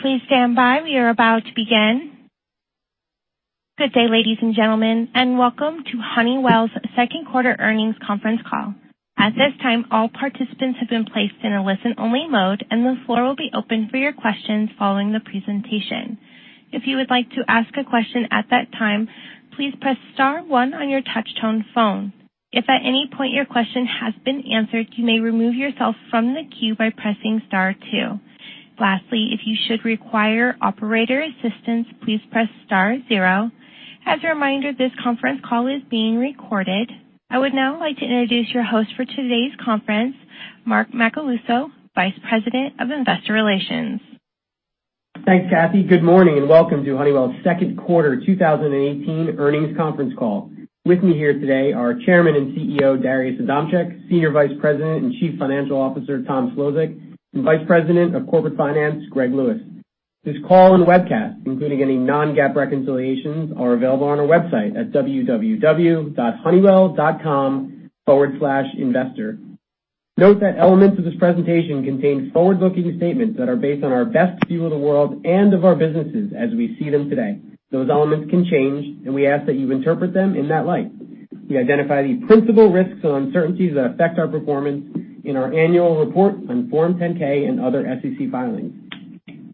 Please stand by. We are about to begin. Good day, ladies and gentlemen, and welcome to Honeywell's second quarter earnings conference call. At this time, all participants have been placed in a listen-only mode, and the floor will be open for your questions following the presentation. If you would like to ask a question at that time, please press star one on your touch-tone phone. If at any point your question has been answered, you may remove yourself from the queue by pressing star two. Lastly, if you should require operator assistance, please press star zero. As a reminder, this conference call is being recorded. I would now like to introduce your host for today's conference, Mark Macaluso, Vice President of Investor Relations. Thanks, Kathy. Good morning and welcome to Honeywell's second quarter 2018 earnings conference call. With me here today are Chairman and CEO, Darius Adamczyk, Senior Vice President and Chief Financial Officer, Tom Szlosek, and Vice President of Corporate Finance, Greg Lewis. This call and webcast, including any non-GAAP reconciliations, are available on our website at www.honeywell.com/investor. Note that elements of this presentation contain forward-looking statements that are based on our best view of the world and of our businesses as we see them today. Those elements can change, and we ask that you interpret them in that light. We identify the principal risks and uncertainties that affect our performance in our annual report on Form 10-K and other SEC filings.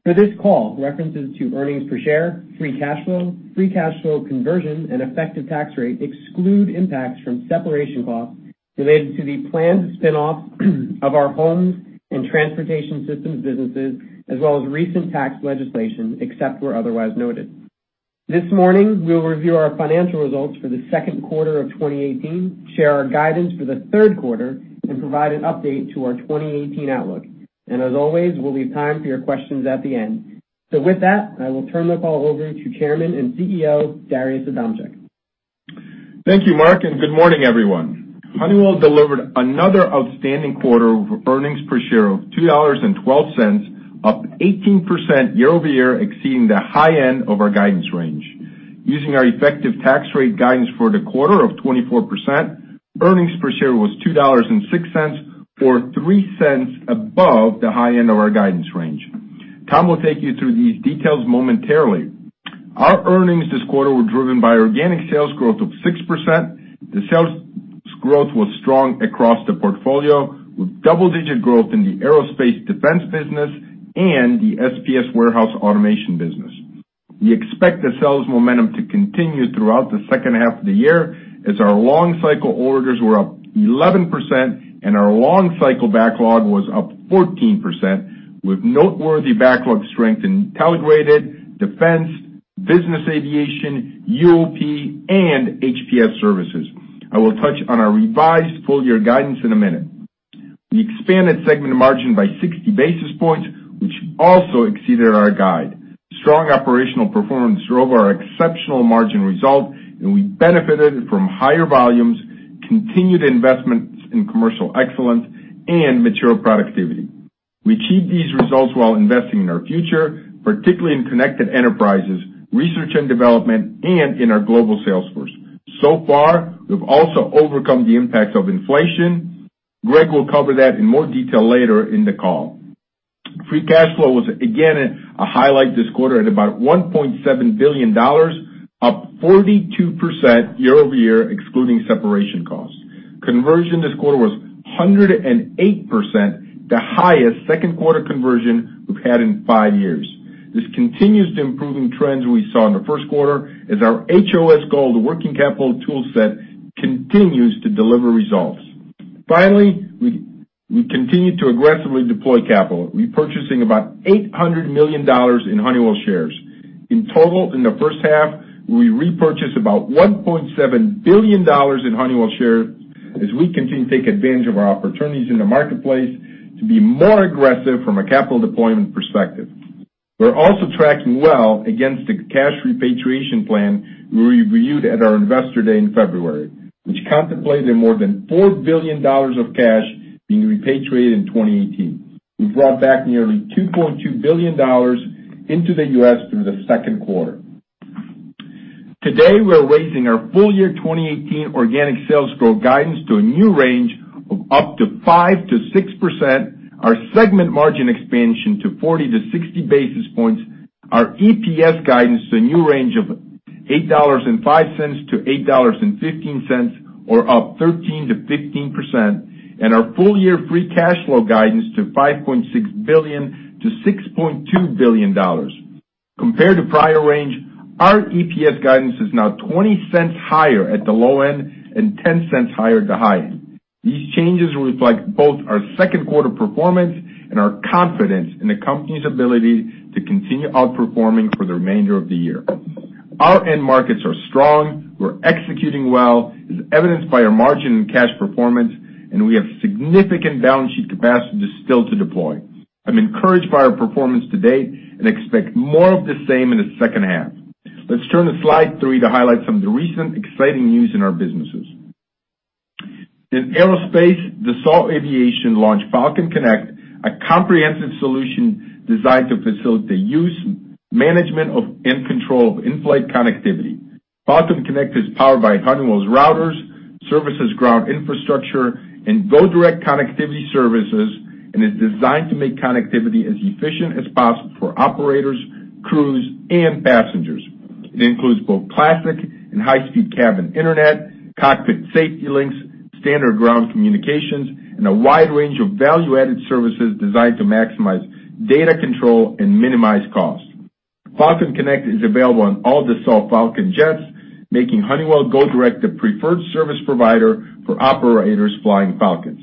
For this call, references to earnings per share, free cash flow, free cash flow conversion, and effective tax rate exclude impacts from separation costs related to the planned spin-off of our Homes and Transportation Systems businesses, as well as recent tax legislation, except where otherwise noted. This morning, we'll review our financial results for the second quarter of 2018, share our guidance for the third quarter, and provide an update to our 2018 outlook. As always, we'll leave time for your questions at the end. With that, I will turn the call over to Chairman and CEO, Darius Adamczyk. Thank you, Mark. Good morning, everyone. Honeywell delivered another outstanding quarter of earnings per share of $2.12, up 18% year-over-year, exceeding the high end of our guidance range. Using our effective tax rate guidance for the quarter of 24%, earnings per share was $2.06, or $0.03 above the high end of our guidance range. Tom will take you through these details momentarily. Our earnings this quarter were driven by organic sales growth of 6%. The sales growth was strong across the portfolio, with double-digit growth in the aerospace defense business and the SPS warehouse automation business. We expect the sales momentum to continue throughout the second half of the year as our long-cycle orders were up 11% and our long-cycle backlog was up 14%, with noteworthy backlog strength in Intelligrated, defense, business aviation, UOP, and HPS services. I will touch on our revised full-year guidance in a minute. We expanded segment margin by 60 basis points, which also exceeded our guide. Strong operational performance drove our exceptional margin result, and we benefited from higher volumes, continued investments in commercial excellence, and material productivity. We achieved these results while investing in our future, particularly in connected enterprises, research and development, and in our global sales force. So far, we've also overcome the impacts of inflation. Greg will cover that in more detail later in the call. Free cash flow was again a highlight this quarter at about $1.7 billion, up 42% year-over-year, excluding separation costs. Conversion this quarter was 108%, the highest second-quarter conversion we've had in five years. This continues the improving trends we saw in the first quarter, as our HOS Gold, the working capital toolset, continues to deliver results. We continued to aggressively deploy capital, repurchasing about $800 million in Honeywell shares. In total, in the first half, we repurchased about $1.7 billion in Honeywell shares as we continue to take advantage of our opportunities in the marketplace to be more aggressive from a capital deployment perspective. We're also tracking well against the cash repatriation plan we reviewed at our Investor Day in February, which contemplated more than $4 billion of cash being repatriated in 2018. We've brought back nearly $2.2 billion into the U.S. through the second quarter. Today, we're raising our full-year 2018 organic sales growth guidance to a new range of up to 5%-6%, our segment margin expansion to 40-60 basis points, our EPS guidance to a new range of $8.05-$8.15, or up 13%-15%, and our full-year free cash flow guidance to $5.6 billion-$6.2 billion. Compared to prior range, our EPS guidance is now $0.20 higher at the low end and $0.10 higher at the high end. These changes reflect both our second quarter performance and our confidence in the company's ability to continue outperforming for the remainder of the year. Our end markets are strong. We're executing well, as evidenced by our margin and cash performance, and we have significant balance sheet capacity still to deploy. I'm encouraged by our performance to date and expect more of the same in the second half. Let's turn the slide through to highlight some of the recent exciting news in our businesses. In aerospace, Dassault Aviation launched Falcon Connect, a comprehensive solution designed to facilitate use management of and control of in-flight connectivity. Falcon Connect is powered by Honeywell's routers, services ground infrastructure, and GoDirect connectivity services, is designed to make connectivity as efficient as possible for operators, crews, and passengers. It includes both classic and high-speed cabin internet, cockpit safety links, standard ground communications, and a wide range of value-added services designed to maximize data control and minimize cost. Falcon Connect is available on all Dassault Falcon jets, making Honeywell GoDirect the preferred service provider for operators flying Falcons.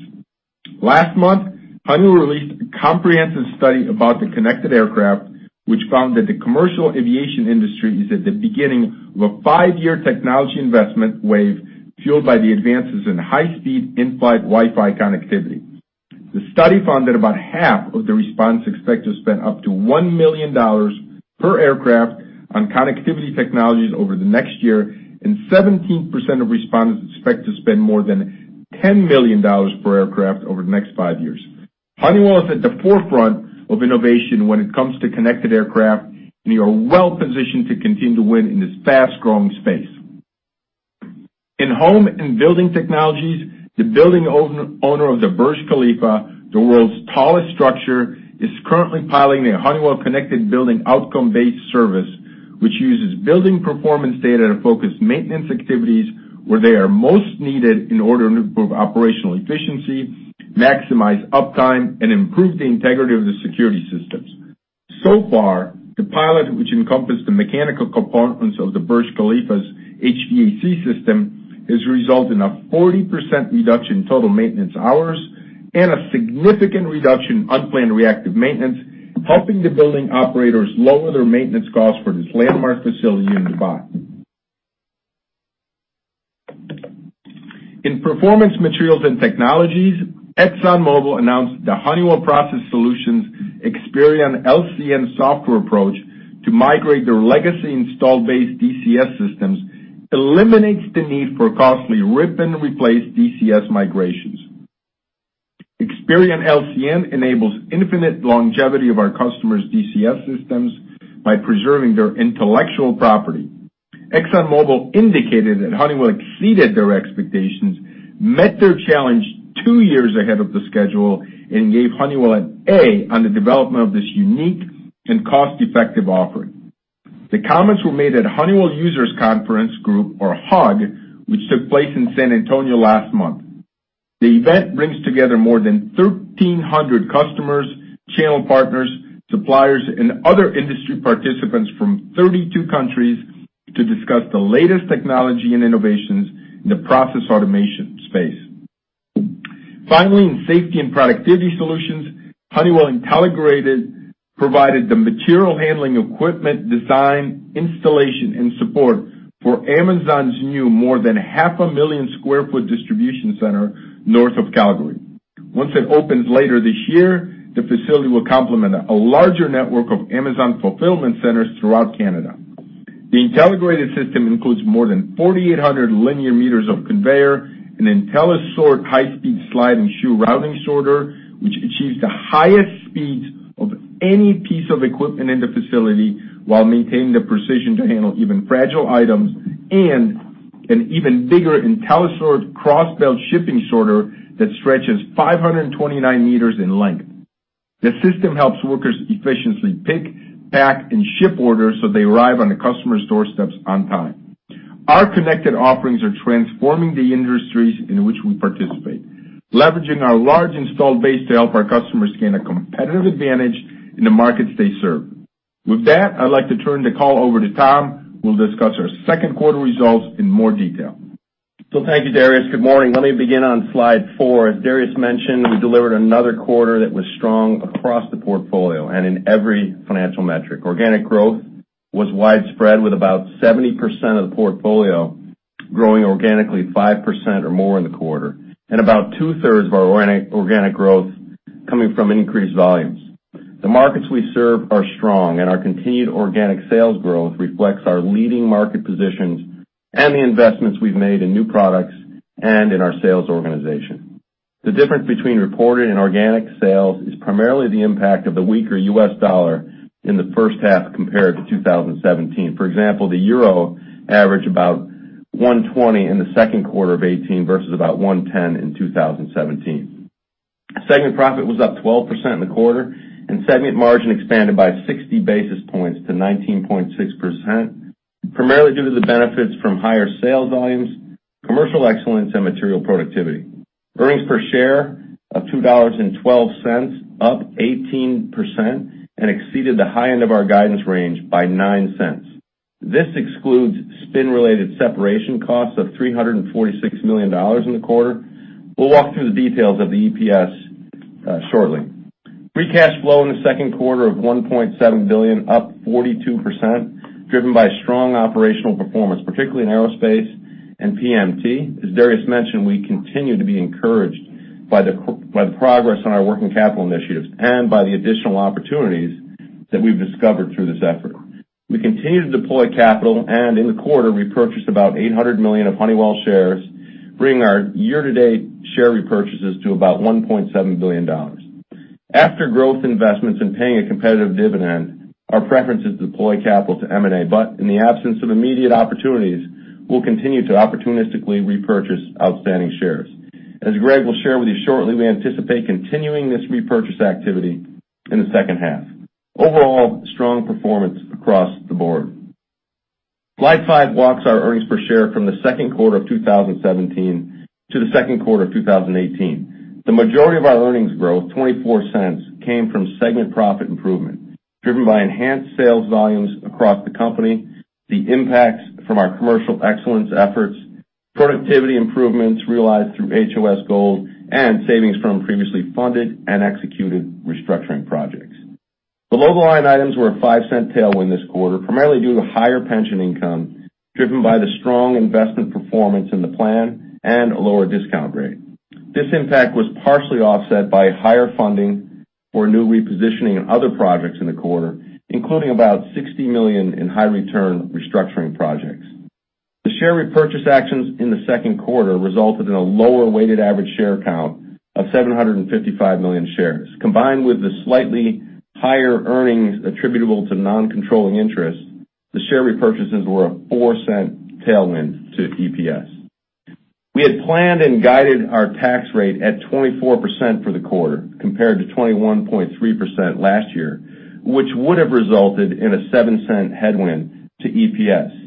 Last month, Honeywell released a comprehensive study about the connected aircraft, which found that the commercial aviation industry is at the beginning of a five-year technology investment wave fueled by the advances in high-speed in-flight Wi-Fi connectivity. The study found that about half of the respondents expect to spend up to $1 million per aircraft on connectivity technologies over the next year, and 17% of respondents expect to spend more than $10 million per aircraft over the next five years. Honeywell is at the forefront of innovation when it comes to connected aircraft, and we are well positioned to continue to win in this fast-growing space. In Home and Building Technologies, the building owner of the Burj Khalifa, the world's tallest structure, is currently piloting a Honeywell connected building outcome-based service, which uses building performance data to focus maintenance activities where they are most needed in order to improve operational efficiency, maximize uptime, and improve the integrity of the security systems. So far, the pilot, which encompassed the mechanical components of the Burj Khalifa's HVAC system, has resulted in a 40% reduction in total maintenance hours and a significant reduction in unplanned reactive maintenance, helping the building operators lower their maintenance costs for this landmark facility in Dubai. In Performance Materials and Technologies, ExxonMobil announced that Honeywell Process Solutions Experion LCN software approach to migrate their legacy install-based DCS systems eliminates the need for costly rip and replace DCS migrations. Experion LCN enables infinite longevity of our customers' DCS systems by preserving their intellectual property. ExxonMobil indicated that Honeywell exceeded their expectations, met their challenge two years ahead of the schedule, and gave Honeywell an A on the development of this unique and cost-effective offering. The comments were made at Honeywell Users Conference Group, or HUG, which took place in San Antonio last month. The event brings together more than 1,300 customers, channel partners, suppliers, and other industry participants from 32 countries to discuss the latest technology and innovations in the process automation space. Finally, in Safety and Productivity Solutions, Honeywell Intelligrated provided the material handling equipment design, installation, and support for Amazon's new more than half a million square foot distribution center north of Calgary. Once it opens later this year, the facility will complement a larger network of Amazon fulfillment centers throughout Canada. The Intelligrated system includes more than 4,800 linear meters of conveyor, an IntelliSort high-speed slide and shoe routing sorter, which achieves the highest speeds of any piece of equipment in the facility while maintaining the precision to handle even fragile items, and an even bigger IntelliSort cross-belt shipping sorter that stretches 529 meters in length. The system helps workers efficiently pick, pack, and ship orders so they arrive on the customers' doorsteps on time. Our connected offerings are transforming the industries in which we participate, leveraging our large installed base to help our customers gain a competitive advantage in the markets they serve. With that, I'd like to turn the call over to Tom, who will discuss our second quarter results in more detail. Thank you, Darius. Good morning. Let me begin on slide four. As Darius mentioned, we delivered another quarter that was strong across the portfolio and in every financial metric. Organic growth was widespread, with about 70% of the portfolio growing organically 5% or more in the quarter, and about two-thirds of our organic growth coming from increased volumes. The markets we serve are strong, and our continued organic sales growth reflects our leading market positions and the investments we've made in new products and in our sales organization. The difference between reported and organic sales is primarily the impact of the weaker U.S. dollar in the first half compared to 2017. For example, the euro averaged about $1.20 in the second quarter of 2018 versus about $1.10 in 2017. Segment profit was up 12% in the quarter, and segment margin expanded by 60 basis points to 19.6%, primarily due to the benefits from higher sales volumes, commercial excellence, and material productivity. Earnings per share of $2.12, up 18%, and exceeded the high end of our guidance range by $0.09. This excludes spin-related separation costs of $346 million in the quarter. We'll walk through the details of the EPS shortly. Free cash flow in the second quarter of $1.7 billion, up 42%, driven by strong operational performance, particularly in aerospace and PMT. As Darius mentioned, we continue to be encouraged by the progress on our working capital initiatives and by the additional opportunities that we've discovered through this effort. We continue to deploy capital, and in the quarter, we purchased about $800 million of Honeywell shares, bringing our year-to-date share repurchases to about $1.7 billion. After growth investments and paying a competitive dividend, our preference is to deploy capital to M&A. In the absence of immediate opportunities, we'll continue to opportunistically repurchase outstanding shares. As Greg will share with you shortly, we anticipate continuing this repurchase activity in the second half. Overall, strong performance across the board. Slide five walks our earnings per share from the second quarter of 2017 to the second quarter of 2018. The majority of our earnings growth, $0.24, came from segment profit improvement, driven by enhanced sales volumes across the company, the impacts from our commercial excellence efforts, productivity improvements realized through HOS Gold, and savings from previously funded and executed restructuring projects. The below-the-line items were a $0.05 tailwind this quarter, primarily due to higher pension income, driven by the strong investment performance in the plan and a lower discount rate. This impact was partially offset by higher funding for new repositioning and other projects in the quarter, including about $60 million in high-return restructuring projects. The share repurchase actions in the second quarter resulted in a lower weighted average share count of 755 million shares. Combined with the slightly higher earnings attributable to non-controlling interests, the share repurchases were a $0.04 tailwind to EPS. We had planned and guided our tax rate at 24% for the quarter, compared to 21.3% last year, which would have resulted in a $0.07 headwind to EPS.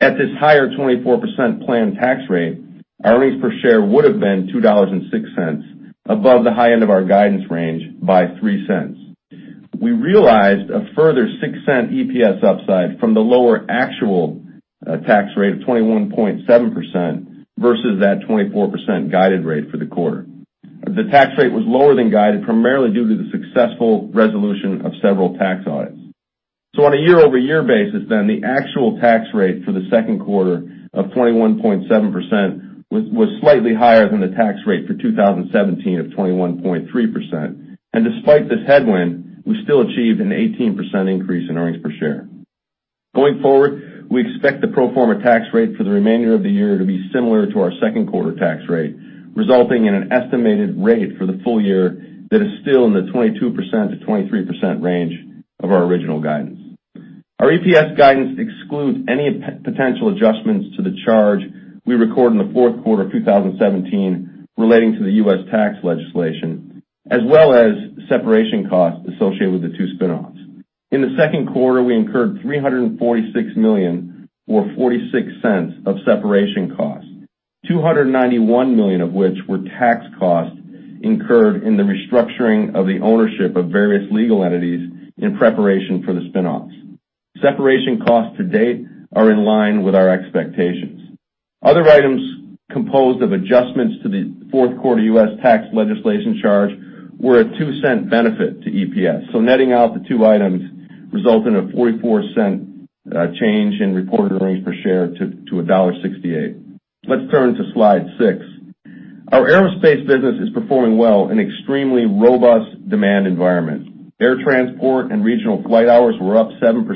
At this higher 24% planned tax rate, our earnings per share would have been $2.06, above the high end of our guidance range by $0.03. We realized a further $0.06 EPS upside from the lower actual tax rate of 21.7% versus that 24% guided rate for the quarter. The tax rate was lower than guided, primarily due to the successful resolution of several tax audits. On a year-over-year basis, the actual tax rate for the second quarter of 21.7% was slightly higher than the tax rate for 2017 of 21.3%. Despite this headwind, we still achieved an 18% increase in earnings per share. Going forward, we expect the pro forma tax rate for the remainder of the year to be similar to our second quarter tax rate, resulting in an estimated rate for the full year that is still in the 22%-23% range of our original guidance. Our EPS guidance excludes any potential adjustments to the charge we record in the fourth quarter of 2017 relating to the U.S. tax legislation, as well as separation costs associated with the two spin-offs. In the second quarter, we incurred $346 million, or $0.46 of separation costs, $291 million of which were tax costs incurred in the restructuring of the ownership of various legal entities in preparation for the spin-offs. Separation costs to date are in line with our expectations. Other items composed of adjustments to the fourth quarter U.S. tax legislation charge were a $0.02 benefit to EPS. Netting out the two items result in a $0.44 change in reported earnings per share to $1.68. Let's turn to slide six. Our aerospace business is performing well in extremely robust demand environment. Air transport and regional flight hours were up 7%,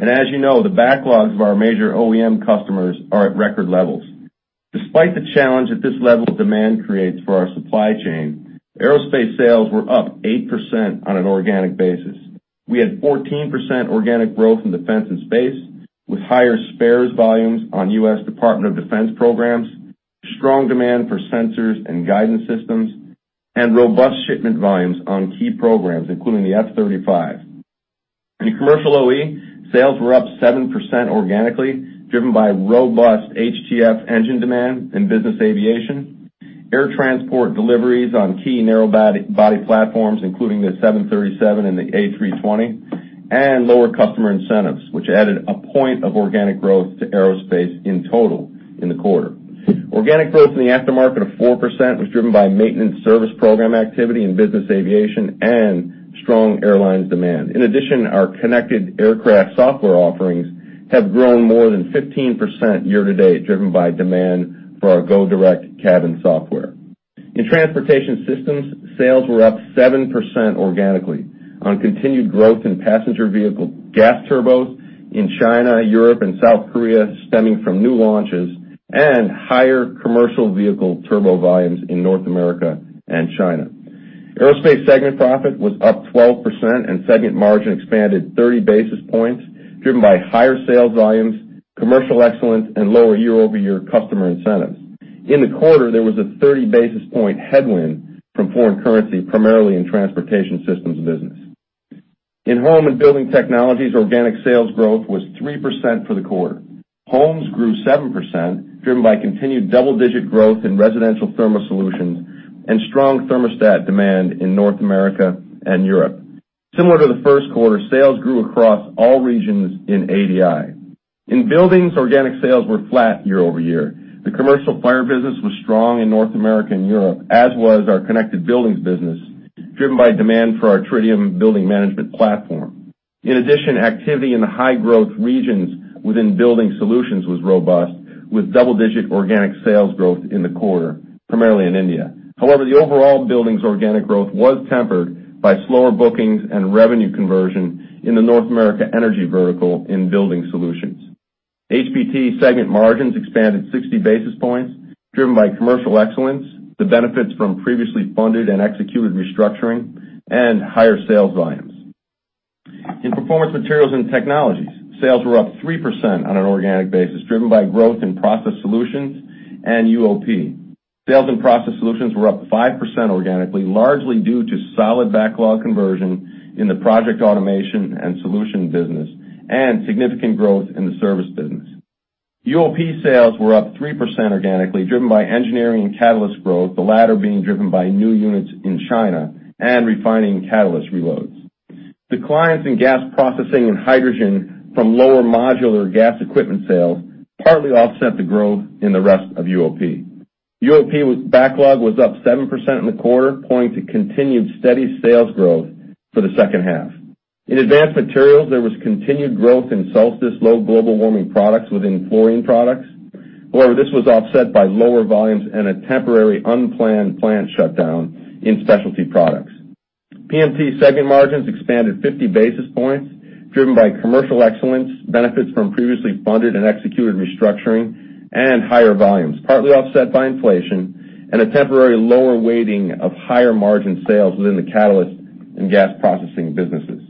and as you know, the backlogs of our major OEM customers are at record levels. Despite the challenge that this level of demand creates for our supply chain, aerospace sales were up 8% on an organic basis. We had 14% organic growth in defense and space, with higher spares volumes on U.S. Department of Defense programs, strong demand for sensors and guidance systems, and robust shipment volumes on key programs, including the F-35. In commercial OE, sales were up 7% organically, driven by robust HTF engine demand in business aviation, air transport deliveries on key narrow-body platforms, including the 737 and the A320, and lower customer incentives, which added a point of organic growth to aerospace in total in the quarter. Organic growth in the aftermarket of 4% was driven by maintenance service program activity in business aviation and strong airlines demand. In addition, our connected aircraft software offerings have grown more than 15% year-to-date, driven by demand for our GoDirect Cabin software. In Transportation Systems, sales were up 7% organically on continued growth in passenger vehicle gas turbos in China, Europe, and South Korea, stemming from new launches and higher commercial vehicle turbo volumes in North America and China. Aerospace segment profit was up 12%, and segment margin expanded 30 basis points, driven by higher sales volumes, commercial excellence, and lower year-over-year customer incentives. In the quarter, there was a 30-basis point headwind from foreign currency, primarily in Transportation Systems business. In Home and Building Technologies, organic sales growth was 3% for the quarter. Homes grew 7%, driven by continued double-digit growth in residential thermal solutions and strong thermostat demand in North America and Europe. Similar to the first quarter, sales grew across all regions in ADI. In buildings, organic sales were flat year-over-year. The commercial fire business was strong in North America and Europe, as was our connected buildings business, driven by demand for our Tridium building management platform. In addition, activity in the high-growth regions within building solutions was robust, with double-digit organic sales growth in the quarter, primarily in India. However, the overall buildings organic growth was tempered by slower bookings and revenue conversion in the North America energy vertical in building solutions. PMT segment margins expanded 60 basis points, driven by commercial excellence, the benefits from previously funded and executed restructuring, and higher sales volumes. In Performance Materials and Technologies, sales were up 3% on an organic basis, driven by growth in Process Solutions and UOP. Sales in Process Solutions were up 5% organically, largely due to solid backlog conversion in the project automation and solution business and significant growth in the service business. UOP sales were up 3% organically, driven by engineering catalyst growth, the latter being driven by new units in China and refining catalyst reloads. Declines in gas processing and hydrogen from lower modular gas equipment sales partly offset the growth in the rest of UOP. UOP backlog was up 7% in the quarter, pointing to continued steady sales growth for the second half. In Advanced Materials, there was continued growth in Solstice low global warming products within Fluorine Products. However, this was offset by lower volumes and a temporary unplanned plant shutdown in Specialty Products. PMT segment margins expanded 50 basis points, driven by commercial excellence, benefits from previously funded and executed restructuring, and higher volumes, partly offset by inflation and a temporarily lower weighting of higher margin sales within the catalyst and gas processing businesses.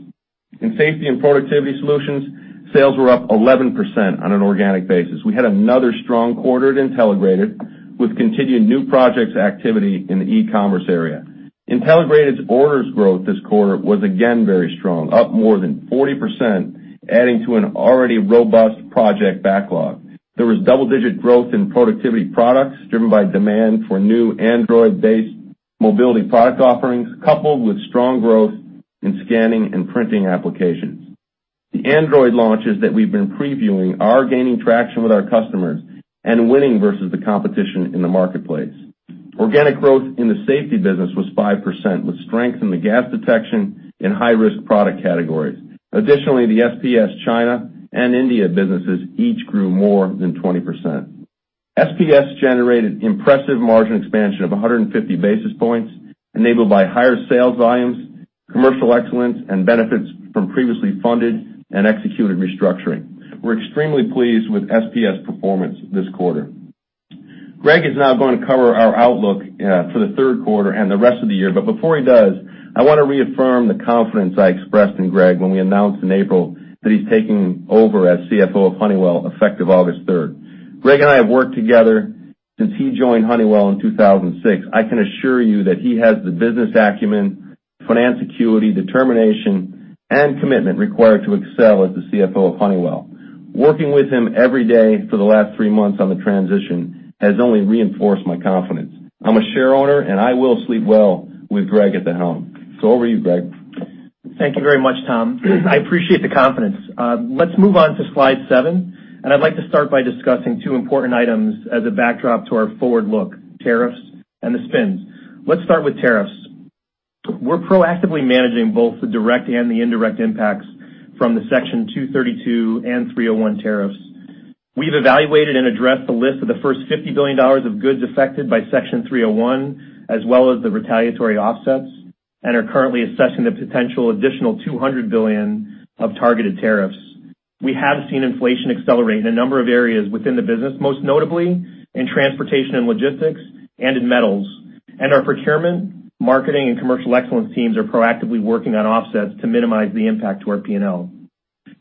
In Safety and Productivity Solutions, sales were up 11% on an organic basis. We had another strong quarter at Intelligrated with continued new projects activity in the e-commerce area. Intelligrated's orders growth this quarter was again very strong, up more than 40%, adding to an already robust project backlog. There was double-digit growth in productivity products, driven by demand for new Android-based mobility product offerings, coupled with strong growth in scanning and printing applications. The Android launches that we've been previewing are gaining traction with our customers and winning versus the competition in the marketplace. Organic growth in the safety business was 5%, with strength in the gas detection and high-risk product categories. Additionally, the SPS China and India businesses each grew more than 20%. SPS generated impressive margin expansion of 150 basis points, enabled by higher sales volumes, commercial excellence, and benefits from previously funded and executed restructuring. We're extremely pleased with SPS performance this quarter. Greg is now going to cover our outlook for the third quarter and the rest of the year. Before he does, I want to reaffirm the confidence I expressed in Greg when we announced in April that he's taking over as CFO of Honeywell effective August 3rd. Greg and I have worked together since he joined Honeywell in 2006. I can assure you that he has the business acumen, finance acuity, determination, and commitment required to excel as the CFO of Honeywell. Working with him every day for the last three months on the transition has only reinforced my confidence. I'm a shareowner, and I will sleep well with Greg at the helm. Over to you, Greg. Thank you very much, Tom. I appreciate the confidence. Let's move on to slide seven. I'd like to start by discussing two important items as a backdrop to our forward look, tariffs and the spins. Let's start with tariffs. We're proactively managing both the direct and the indirect impacts from the Section 232 and Section 301 tariffs. We've evaluated and addressed the list of the first $50 billion of goods affected by Section 301, as well as the retaliatory offsets, and are currently assessing the potential additional $200 billion of targeted tariffs. We have seen inflation accelerate in a number of areas within the business, most notably in transportation and logistics and in metals. Our procurement, marketing, and commercial excellence teams are proactively working on offsets to minimize the impact to our P&L.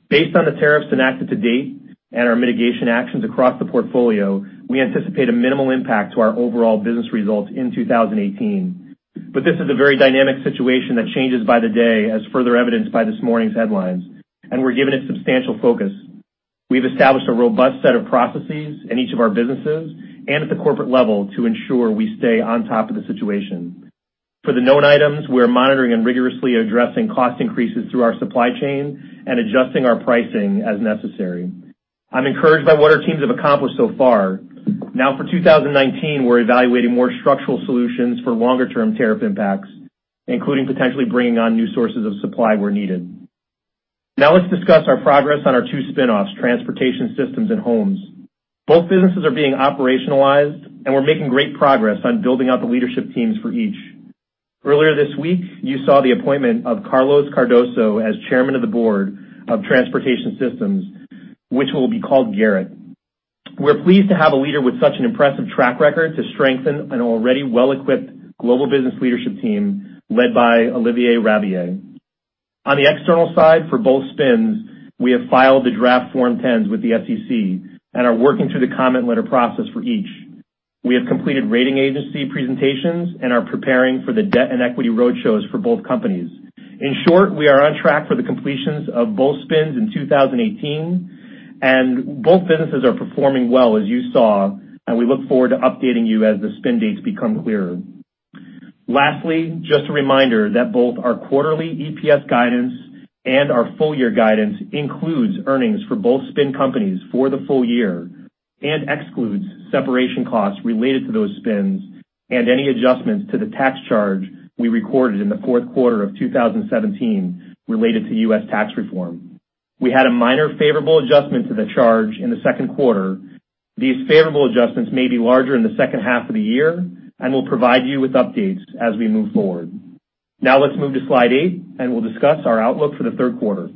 Based on the tariffs enacted to date and our mitigation actions across the portfolio, we anticipate a minimal impact to our overall business results in 2018. This is a very dynamic situation that changes by the day, as further evidenced by this morning's headlines, and we're giving it substantial focus. We've established a robust set of processes in each of our businesses and at the corporate level to ensure we stay on top of the situation. For the known items, we are monitoring and rigorously addressing cost increases through our supply chain and adjusting our pricing as necessary. I'm encouraged by what our teams have accomplished so far. For 2019, we're evaluating more structural solutions for longer-term tariff impacts, including potentially bringing on new sources of supply where needed. Let's discuss our progress on our two spin-offs, Transportation Systems and Homes. Both businesses are being operationalized, and we're making great progress on building out the leadership teams for each. Earlier this week, you saw the appointment of Carlos Cardoso as chairman of the board of Transportation Systems, which will be called Garrett. We're pleased to have a leader with such an impressive track record to strengthen an already well-equipped global business leadership team led by Olivier Rabiller. On the external side for both spins, we have filed the draft Form 10s with the SEC and are working through the comment letter process for each. We have completed rating agency presentations and are preparing for the debt and equity road shows for both companies. In short, we are on track for the completions of both spins in 2018, and both businesses are performing well, as you saw, and we look forward to updating you as the spin dates become clearer. Lastly, just a reminder that both our quarterly EPS guidance and our full year guidance includes earnings for both spin companies for the full year and excludes separation costs related to those spins and any adjustments to the tax charge we recorded in the fourth quarter of 2017 related to U.S. tax reform. We had a minor favorable adjustment to the charge in the second quarter. These favorable adjustments may be larger in the second half of the year, and we'll provide you with updates as we move forward. Let's move to slide eight, and we'll discuss our outlook for the third quarter.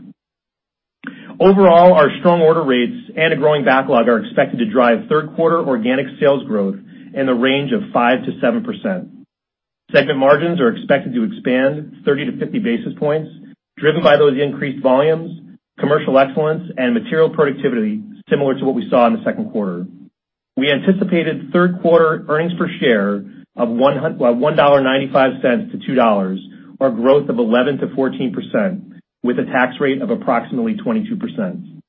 Overall, our strong order rates and a growing backlog are expected to drive third quarter organic sales growth in the range of 5%-7%. Segment margins are expected to expand 30-50 basis points, driven by those increased volumes, commercial excellence, and material productivity, similar to what we saw in the second quarter. We anticipated third quarter earnings per share of $1.95-$2, or growth of 11%-14%, with a tax rate of approximately 22%.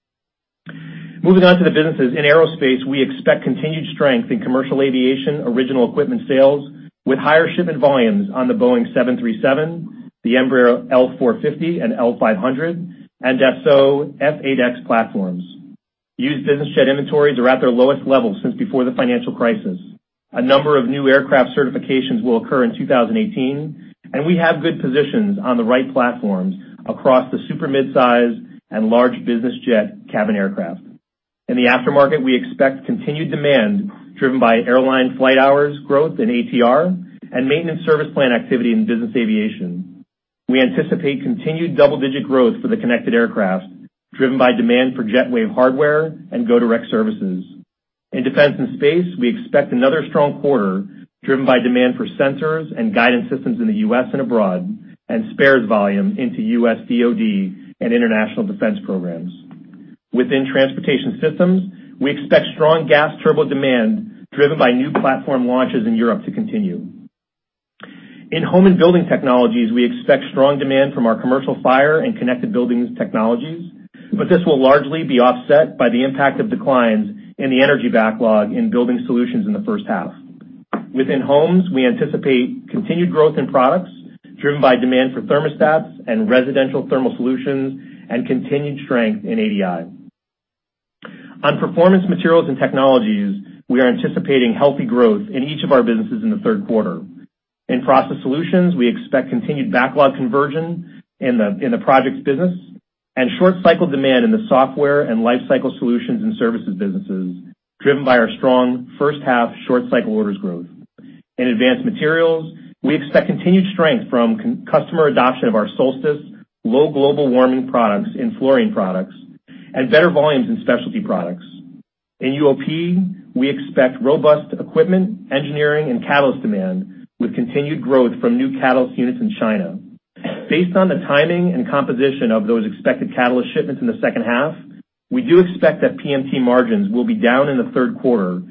Moving on to the businesses. In Aerospace, we expect continued strength in commercial aviation OE sales, with higher shipment volumes on the Boeing 737, the Embraer L450 and L500, and Dassault's F8X platforms. Used business jet inventories are at their lowest level since before the financial crisis. A number of new aircraft certifications will occur in 2018, and we have good positions on the right platforms across the super midsize and large business jet cabin aircraft. In the aftermarket, we expect continued demand driven by airline flight hours growth in ATR and maintenance service plan activity in business aviation. We anticipate continued double-digit growth for the connected aircraft, driven by demand for JetWave hardware and GoDirect services. In defense and space, we expect another strong quarter driven by demand for sensors and guidance systems in the U.S. and abroad, and spares volume into U.S. DoD and international defense programs. Within Transportation Systems, we expect strong gas turbo demand driven by new platform launches in Europe to continue. In Home and Building Technologies, we expect strong demand from our commercial fire and connected buildings technologies, but this will largely be offset by the impact of declines in the energy backlog in building solutions in the first half. Within Homes, we anticipate continued growth in products driven by demand for thermostats and residential thermal solutions and continued strength in ADI. On Performance Materials and Technologies, we are anticipating healthy growth in each of our businesses in the third quarter. In Process Solutions, we expect continued backlog conversion in the projects business and short cycle demand in the software and lifecycle solutions and services businesses, driven by our strong first half short cycle orders growth. In Advanced Materials, we expect continued strength from customer adoption of our Solstice low global warming products in Fluorine Products and better volumes in Specialty Products. In UOP, we expect robust equipment, engineering, and catalyst demand with continued growth from new catalyst units in China. Based on the timing and composition of those expected catalyst shipments in the second half, we do expect that PMT margins will be down in the third quarter,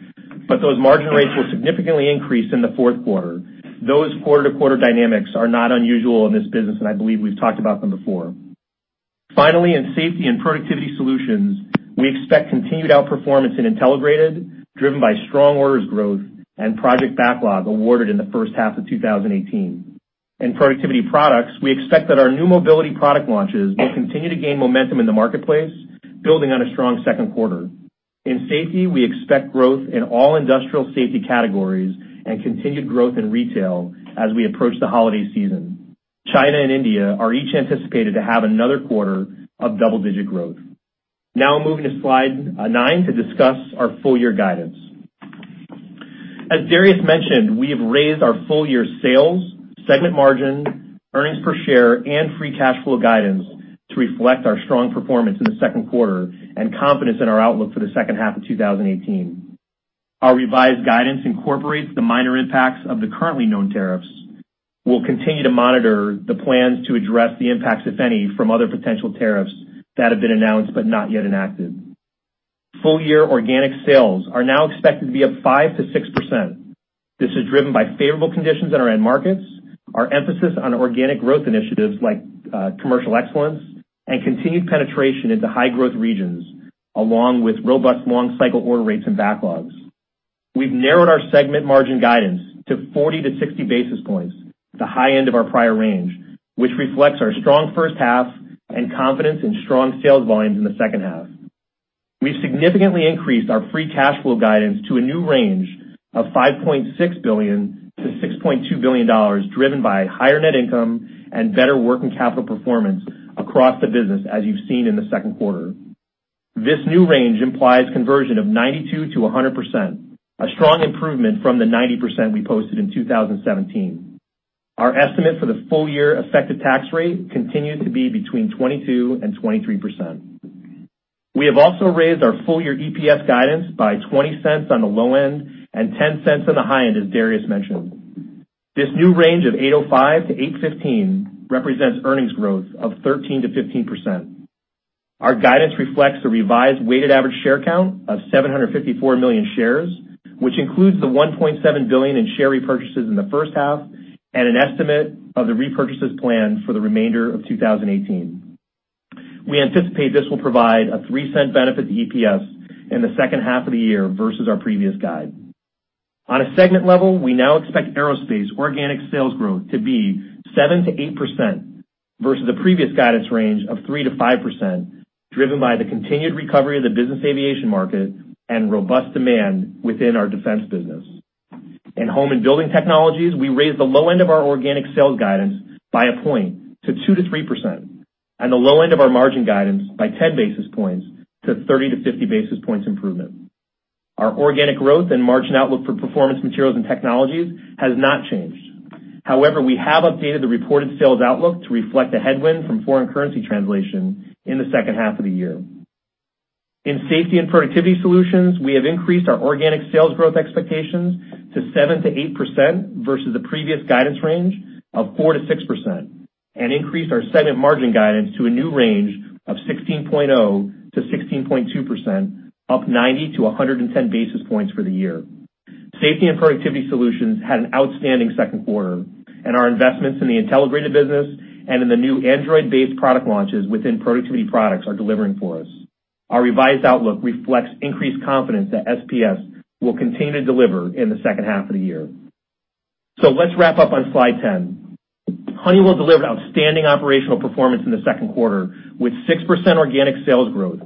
but those margin rates will significantly increase in the fourth quarter. Those quarter-to-quarter dynamics are not unusual in this business, and I believe we've talked about them before. Finally, in Safety and Productivity Solutions, we expect continued outperformance in Intelligrated, driven by strong orders growth and project backlog awarded in the first half of 2018. In productivity products, we expect that our new mobility product launches will continue to gain momentum in the marketplace, building on a strong second quarter. In safety, we expect growth in all industrial safety categories and continued growth in retail as we approach the holiday season. China and India are each anticipated to have another quarter of double-digit growth. Now moving to slide nine to discuss our full year guidance. As Darius mentioned, we have raised our full-year sales, segment margin, earnings per share, and free cash flow guidance to reflect our strong performance in the second quarter and confidence in our outlook for the second half of 2018. Our revised guidance incorporates the minor impacts of the currently known tariffs. We'll continue to monitor the plans to address the impacts, if any, from other potential tariffs that have been announced but not yet enacted. Full-year organic sales are now expected to be up 5% to 6%. This is driven by favorable conditions in our end markets, our emphasis on organic growth initiatives like commercial excellence, and continued penetration into high-growth regions, along with robust long-cycle order rates and backlogs. We've narrowed our segment margin guidance to 40 to 60 basis points, the high end of our prior range, which reflects our strong first half and confidence in strong sales volumes in the second half. We've significantly increased our free cash flow guidance to a new range of $5.6 billion to $6.2 billion, driven by higher net income and better working capital performance across the business, as you've seen in the second quarter. This new range implies conversion of 92% to 100%, a strong improvement from the 90% we posted in 2017. Our estimate for the full-year effective tax rate continues to be between 22% and 23%. We have also raised our full-year EPS guidance by $0.20 on the low end and $0.10 on the high end, as Darius mentioned. This new range of $8.05 to $8.15 represents earnings growth of 13% to 15%. Our guidance reflects a revised weighted average share count of 754 million shares, which includes the $1.7 billion in share repurchases in the first half and an estimate of the repurchases planned for the remainder of 2018. We anticipate this will provide a $0.03 benefit to EPS in the second half of the year versus our previous guide. On a segment level, we now expect aerospace organic sales growth to be 7% to 8% versus the previous guidance range of 3% to 5%, driven by the continued recovery of the business aviation market and robust demand within our defense business. In Home and Building Technologies, we raised the low end of our organic sales guidance by a point to 2% to 3% and the low end of our margin guidance by 10 basis points to 30 to 50 basis points improvement. Our organic growth and margin outlook for Performance Materials and Technologies has not changed. However, we have updated the reported sales outlook to reflect a headwind from foreign currency translation in the second half of the year. In Safety and Productivity Solutions, we have increased our organic sales growth expectations to 7% to 8%, versus the previous guidance range of 4% to 6%, and increased our segment margin guidance to a new range of 16.0% to 16.2%, up 90 to 110 basis points for the year. Safety and Productivity Solutions had an outstanding second quarter, and our investments in the Intelligrated business and in the new Android-based product launches within productivity products are delivering for us. Our revised outlook reflects increased confidence that SPS will continue to deliver in the second half of the year. Let's wrap up on slide 10. Honeywell delivered outstanding operational performance in the second quarter, with 6% organic sales growth,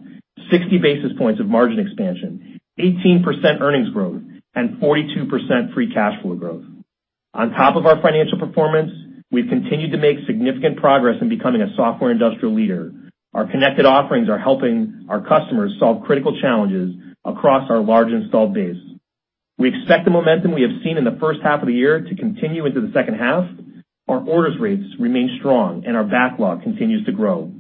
60 basis points of margin expansion, 18% earnings growth, and 42% free cash flow growth. On top of our financial performance, we've continued to make significant progress in becoming a software industrial leader. Our connected offerings are helping our customers solve critical challenges across our large installed base. We expect the momentum we have seen in the first half of the year to continue into the second half. Our orders rates remain strong, and our backlog continues to grow.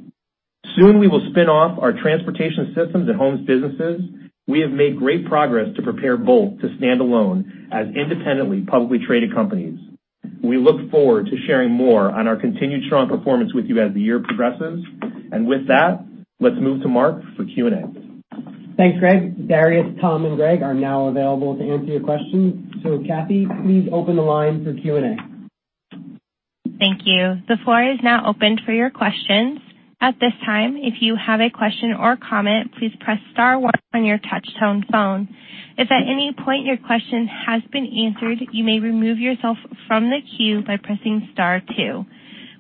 Soon, we will spin off our Transportation Systems and Homes businesses. We have made great progress to prepare both to stand alone as independently publicly traded companies. We look forward to sharing more on our continued strong performance with you as the year progresses. With that, let's move to Mark for Q&A. Thanks, Greg. Darius, Tom, and Greg are now available to answer your questions. Kathy, please open the line for Q&A. Thank you. The floor is now open for your questions. At this time, if you have a question or comment, please press star one on your touch tone phone. If at any point your question has been answered, you may remove yourself from the queue by pressing star two.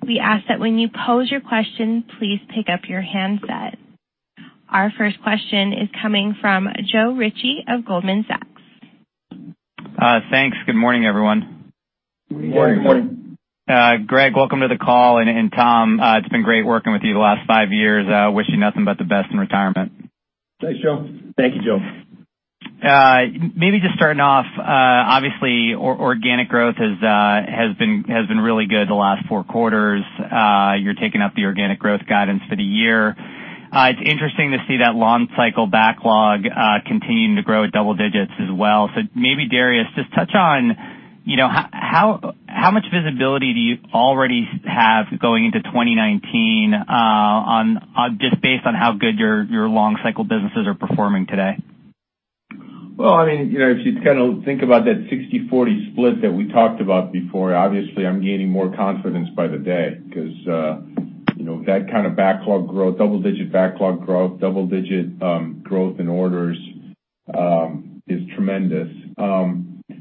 We ask that when you pose your question, please pick up your handset. Our first question is coming from Joe Ritchie of Goldman Sachs. Thanks. Good morning, everyone. Good morning. Good morning. Greg, welcome to the call, and Tom, it's been great working with you the last five years. I wish you nothing but the best in retirement. Thanks, Joe. Thank you, Joe. Maybe just starting off, obviously, organic growth has been really good the last four quarters. You're taking up the organic growth guidance for the year. It's interesting to see that long-cycle backlog continuing to grow at double digits as well. Maybe Darius, just touch on how much visibility do you already have going into 2019, just based on how good your long-cycle businesses are performing today? Well, if you kind of think about that 60/40 split that we talked about before, obviously, I'm gaining more confidence by the day because that kind of backlog growth, double-digit backlog growth, double-digit growth in orders, is tremendous.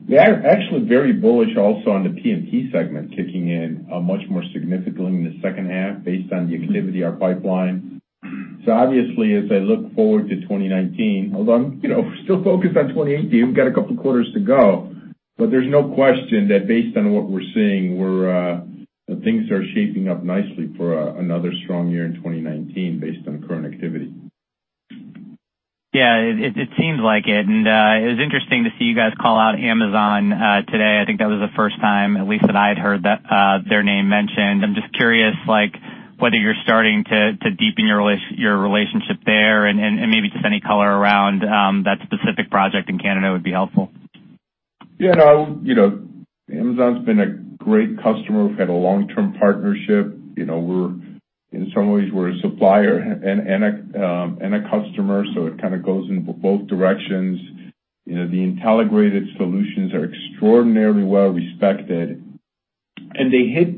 We are actually very bullish also on the PMT segment kicking in much more significantly in the second half based on the activity in our pipeline. Obviously, as I look forward to 2019, although I'm still focused on 2018, we've got a couple of quarters to go, but there's no question that based on what we're seeing, things are shaping up nicely for another strong year in 2019 based on current activity. Yeah, it seems like it. It was interesting to see you guys call out Amazon today. I think that was the first time, at least that I had heard their name mentioned. I'm just curious, whether you're starting to deepen your relationship there and maybe just any color around that specific project in Canada would be helpful. Yeah. Amazon's been a great customer. We've had a long-term partnership. In some ways, we're a supplier and a customer, so it kind of goes in both directions. The Intelligrated solutions are extraordinarily well respected. They hit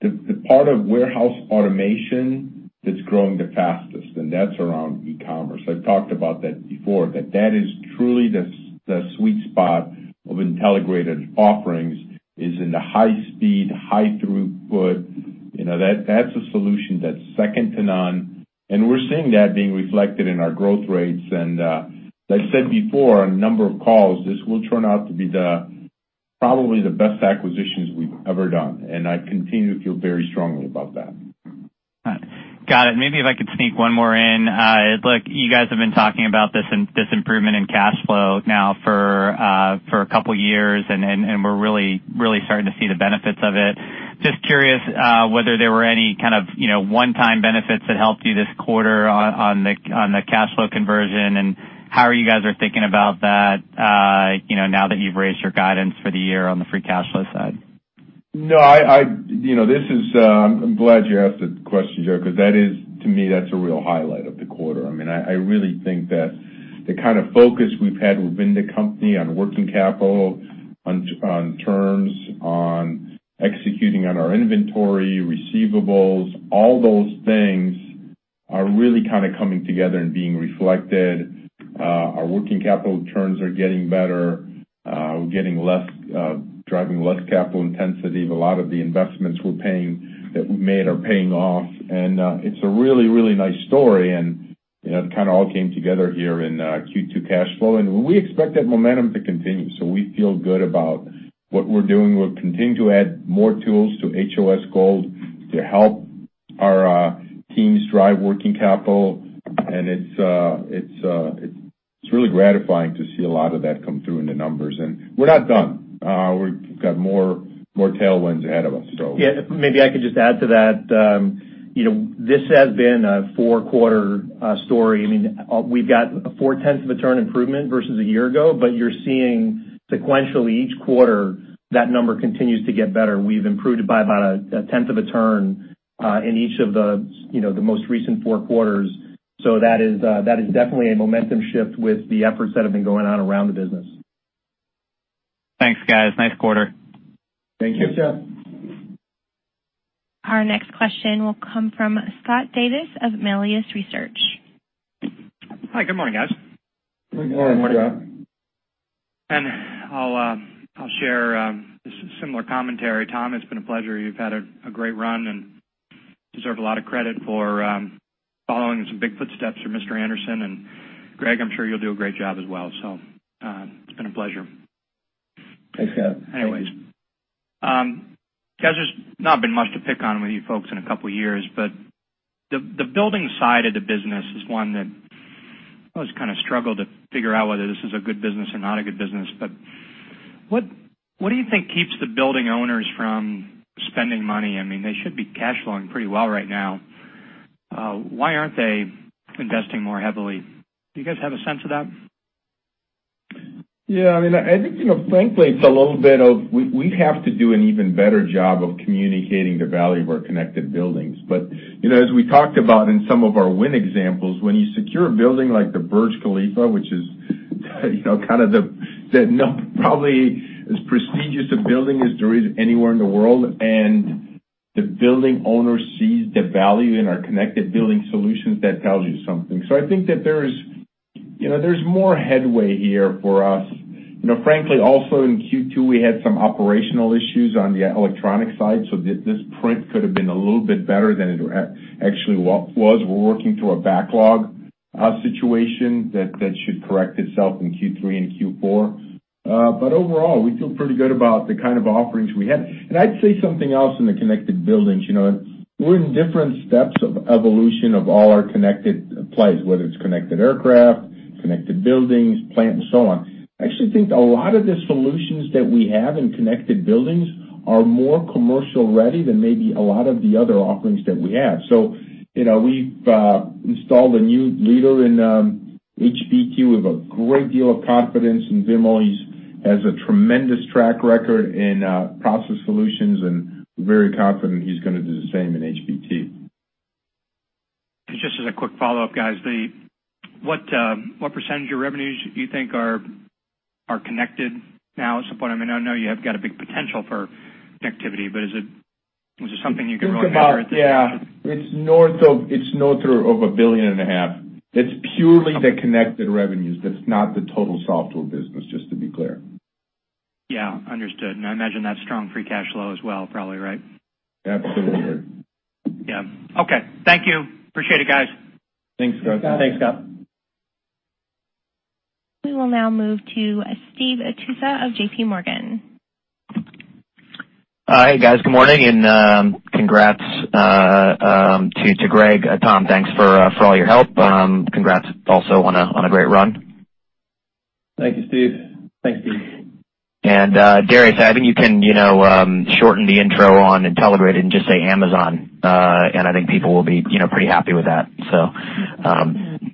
the part of warehouse automation that's growing the fastest, and that's around e-commerce. I've talked about that before, that is truly the sweet spot of Intelligrated offerings is in the high speed, high throughput. That's a solution that's second to none, and we're seeing that being reflected in our growth rates. As I said before on a number of calls, this will turn out to be probably the best acquisitions we've ever done, and I continue to feel very strongly about that. Got it. Maybe if I could sneak one more in. It looks like you guys have been talking about this improvement in cash flow now for a couple of years, and we're really starting to see the benefits of it. Just curious whether there were any kind of one-time benefits that helped you this quarter on the cash flow conversion, and how you guys are thinking about that now that you've raised your guidance for the year on the free cash flow side. No, I'm glad you asked that question, Joe, because that is, to me, that's a real highlight of the quarter. I really think that the kind of focus we've had within the company on working capital, on terms, on executing on our inventory, receivables, all those things are really kind of coming together and being reflected. Our working capital terms are getting better. We're driving less capital intensity. A lot of the investments that we made are paying off, and it's a really nice story, and it kind of all came together here in Q2 cash flow. We expect that momentum to continue. We feel good about what we're doing. We'll continue to add more tools to HOS Gold to help our teams drive working capital, and it's really gratifying to see a lot of that come through in the numbers, and we're not done. We've got more tailwinds ahead of us. Yeah. Maybe I could just add to that. This has been a four-quarter story. We've got four-tenths of a turn improvement versus a year ago, you're seeing sequentially each quarter, that number continues to get better. We've improved it by about a tenth of a turn in each of the most recent four quarters. That is definitely a momentum shift with the efforts that have been going on around the business. Thanks, guys. Nice quarter. Thank you. Thanks, Joe. Our next question will come from Scott Davis of Melius Research. Hi, good morning, guys. Good morning, Scott. Morning. I'll share a similar commentary. Tom, it's been a pleasure. You've had a great run and deserve a lot of credit for following some big footsteps for Dave Anderson, and Greg, I'm sure you'll do a great job as well. It's been a pleasure. Thanks, Scott. Guys, there's not been much to pick on with you folks in a couple of years, but the building side of the business is one that I always kind of struggle to figure out whether this is a good business or not a good business. What do you think keeps the building owners from spending money? They should be cash flowing pretty well right now. Why aren't they investing more heavily? Do you guys have a sense of that? I think frankly, it's a little bit of we have to do an even better job of communicating the value of our connected buildings. As we talked about in some of our win examples, when you secure a building like the Burj Khalifa, which is probably as prestigious a building as there is anywhere in the world, and the building owner sees the value in our connected building solutions, that tells you something. I think that there's more headway here for us. Frankly, also in Q2, we had some operational issues on the electronic side, so this print could have been a little bit better than it actually was. We're working through a backlog situation that should correct itself in Q3 and Q4. Overall, we feel pretty good about the kind of offerings we had. I'd say something else in the connected buildings. We're in different steps of evolution of all our connected plays, whether it's connected aircraft, connected buildings, plant, and so on. I actually think a lot of the solutions that we have in connected buildings are more commercial ready than maybe a lot of the other offerings that we have. We've installed a new leader in HBT. We have a great deal of confidence in Vimal. He has a tremendous track record in Process Solutions, and we're very confident he's going to do the same in HBT. Just as a quick follow-up, guys. What percentage of revenues do you think are connected now at some point? I know you have got a big potential for connectivity, but is it something you can really measure at this point? It's north of a billion and a half. That's purely the connected revenues. That's not the total software business, just to be clear. Yeah, understood. I imagine that's strong free cash flow as well probably, right? Absolutely. Yeah. Okay. Thank you. Appreciate it, guys. Thanks, Scott. Thanks, Scott. We will now move to Steve Tusa of JPMorgan. Hi, guys. Good morning. Congrats to Greg. Tom, thanks for all your help. Congrats also on a great run. Thank you, Steve. Thanks, Steve. Darius, I think you can shorten the intro on Intelligrated and just say Amazon, I think people will be pretty happy with that,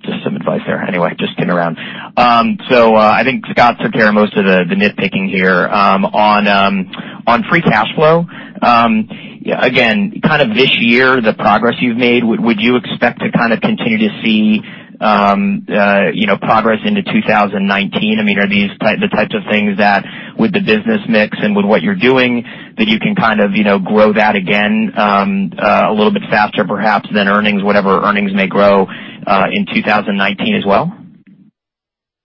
just some advice there. Anyway, just kidding around. I think Scott took care of most of the nitpicking here. On free cash flow, again, kind of this year, the progress you've made, would you expect to kind of continue to see progress into 2019? Are these the types of things that with the business mix and with what you're doing, that you can kind of grow that again, a little bit faster perhaps than earnings, whatever earnings may grow, in 2019 as well?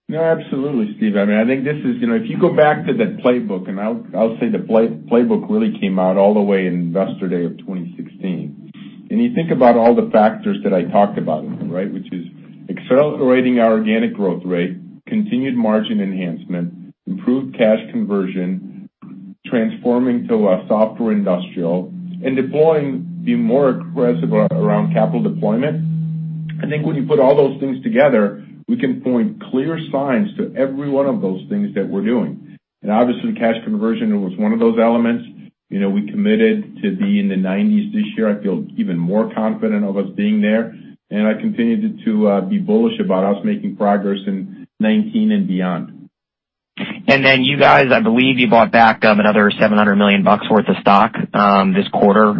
No, absolutely, Steve. If you go back to the playbook, and I'll say the playbook really came out all the way in Investor Day of 2016. You think about all the factors that I talked about, which is accelerating our organic growth rate, continued margin enhancement, improved cash conversion, transforming to a software industrial, and deploying being more aggressive around capital deployment. I think when you put all those things together, we can point clear signs to every one of those things that we're doing. Obviously, cash conversion was one of those elements. We committed to be in the 90s this year. I feel even more confident of us being there, and I continue to be bullish about us making progress in 2019 and beyond. You guys, I believe you bought back another $700 million bucks worth of stock this quarter.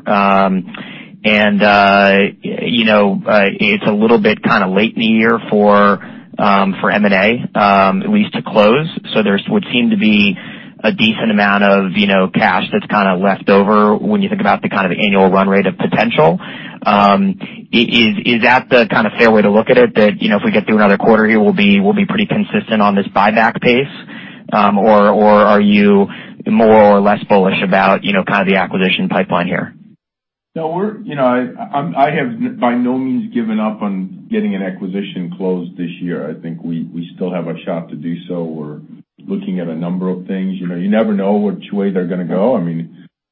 It's a little bit kind of late in the year for M&A, at least to close. There would seem to be a decent amount of cash that's kind of left over when you think about the kind of annual run rate of potential. Is that the kind of fair way to look at it? That if we get through another quarter here, we'll be pretty consistent on this buyback pace? Are you more or less bullish about the acquisition pipeline here? I have by no means given up on getting an acquisition closed this year. I think we still have a shot to do so. We're looking at a number of things. You never know which way they're going to go.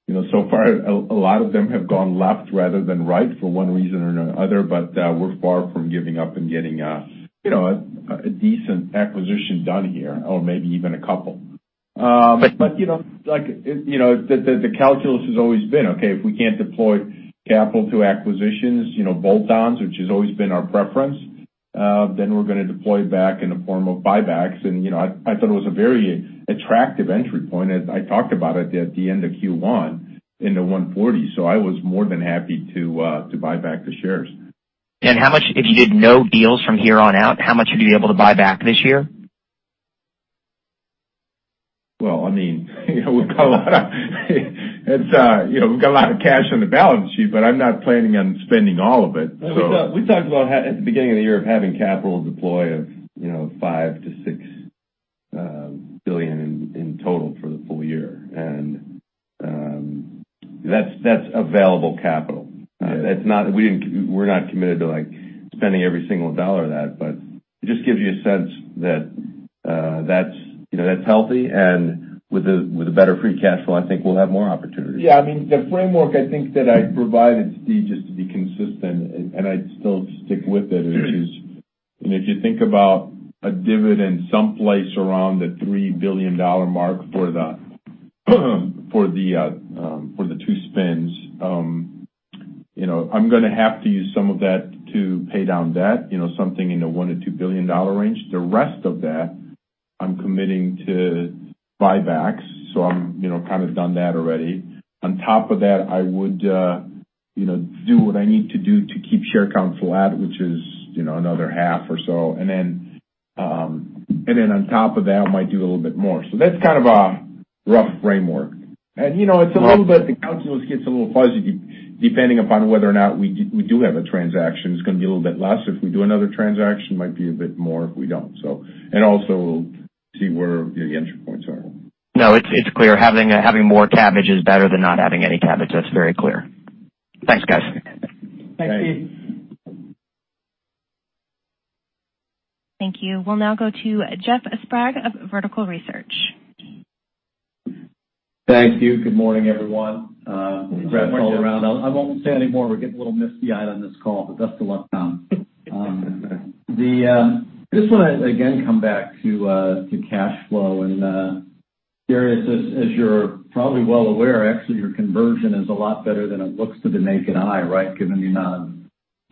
Far, a lot of them have gone left rather than right for one reason or another, we're far from giving up and getting a decent acquisition done here, or maybe even a couple. The calculus has always been, okay, if we can't deploy capital to acquisitions, bolt-ons, which has always been our preference, then we're going to deploy back in the form of buybacks. I thought it was a very attractive entry point, as I talked about it at the end of Q1, in the $140. I was more than happy to buy back the shares. How much, if you did no deals from here on out, how much would you be able to buy back this year? Well, we've got a lot of cash on the balance sheet, I'm not planning on spending all of it. We talked about, at the beginning of the year, of having capital deploy of $5 billion-$6 billion in total for the full year. That's available capital. We're not committed to spending every single dollar of that, but it just gives you a sense that that's healthy and with a better free cash flow, I think we'll have more opportunities. Yeah. The framework, I think that I provided, Steve, just to be consistent, I'd still stick with it, which is if you think about a dividend someplace around the $3 billion mark for the two spins. I'm going to have to use some of that to pay down debt, something in the $1 billion-$2 billion range. The rest of that, I'm committing to buybacks, I'm kind of done that already. On top of that, I would do what I need to do to keep share counts flat, which is, another half or so. On top of that, I might do a little bit more. That's kind of a rough framework. It's a little bit, the calculus gets a little fuzzy depending upon whether or not we do have a transaction. It's going to be a little bit less if we do another transaction, might be a bit more if we don't. Also we'll see where the entry points are. No, it's clear. Having more cabbage is better than not having any cabbage. That's very clear. Thanks, guys. Thanks, Steve. Thank you. We'll now go to Jeff Sprague of Vertical Research. Thank you. Good morning, everyone. Good morning, Jeff. Congrats all around. I won't say any more. We're getting a little misty-eyed on this call, but best of luck, Tom. I just want to again come back to cash flow. Darius, as you're probably well aware, actually, your conversion is a lot better than it looks to the naked eye, right, given the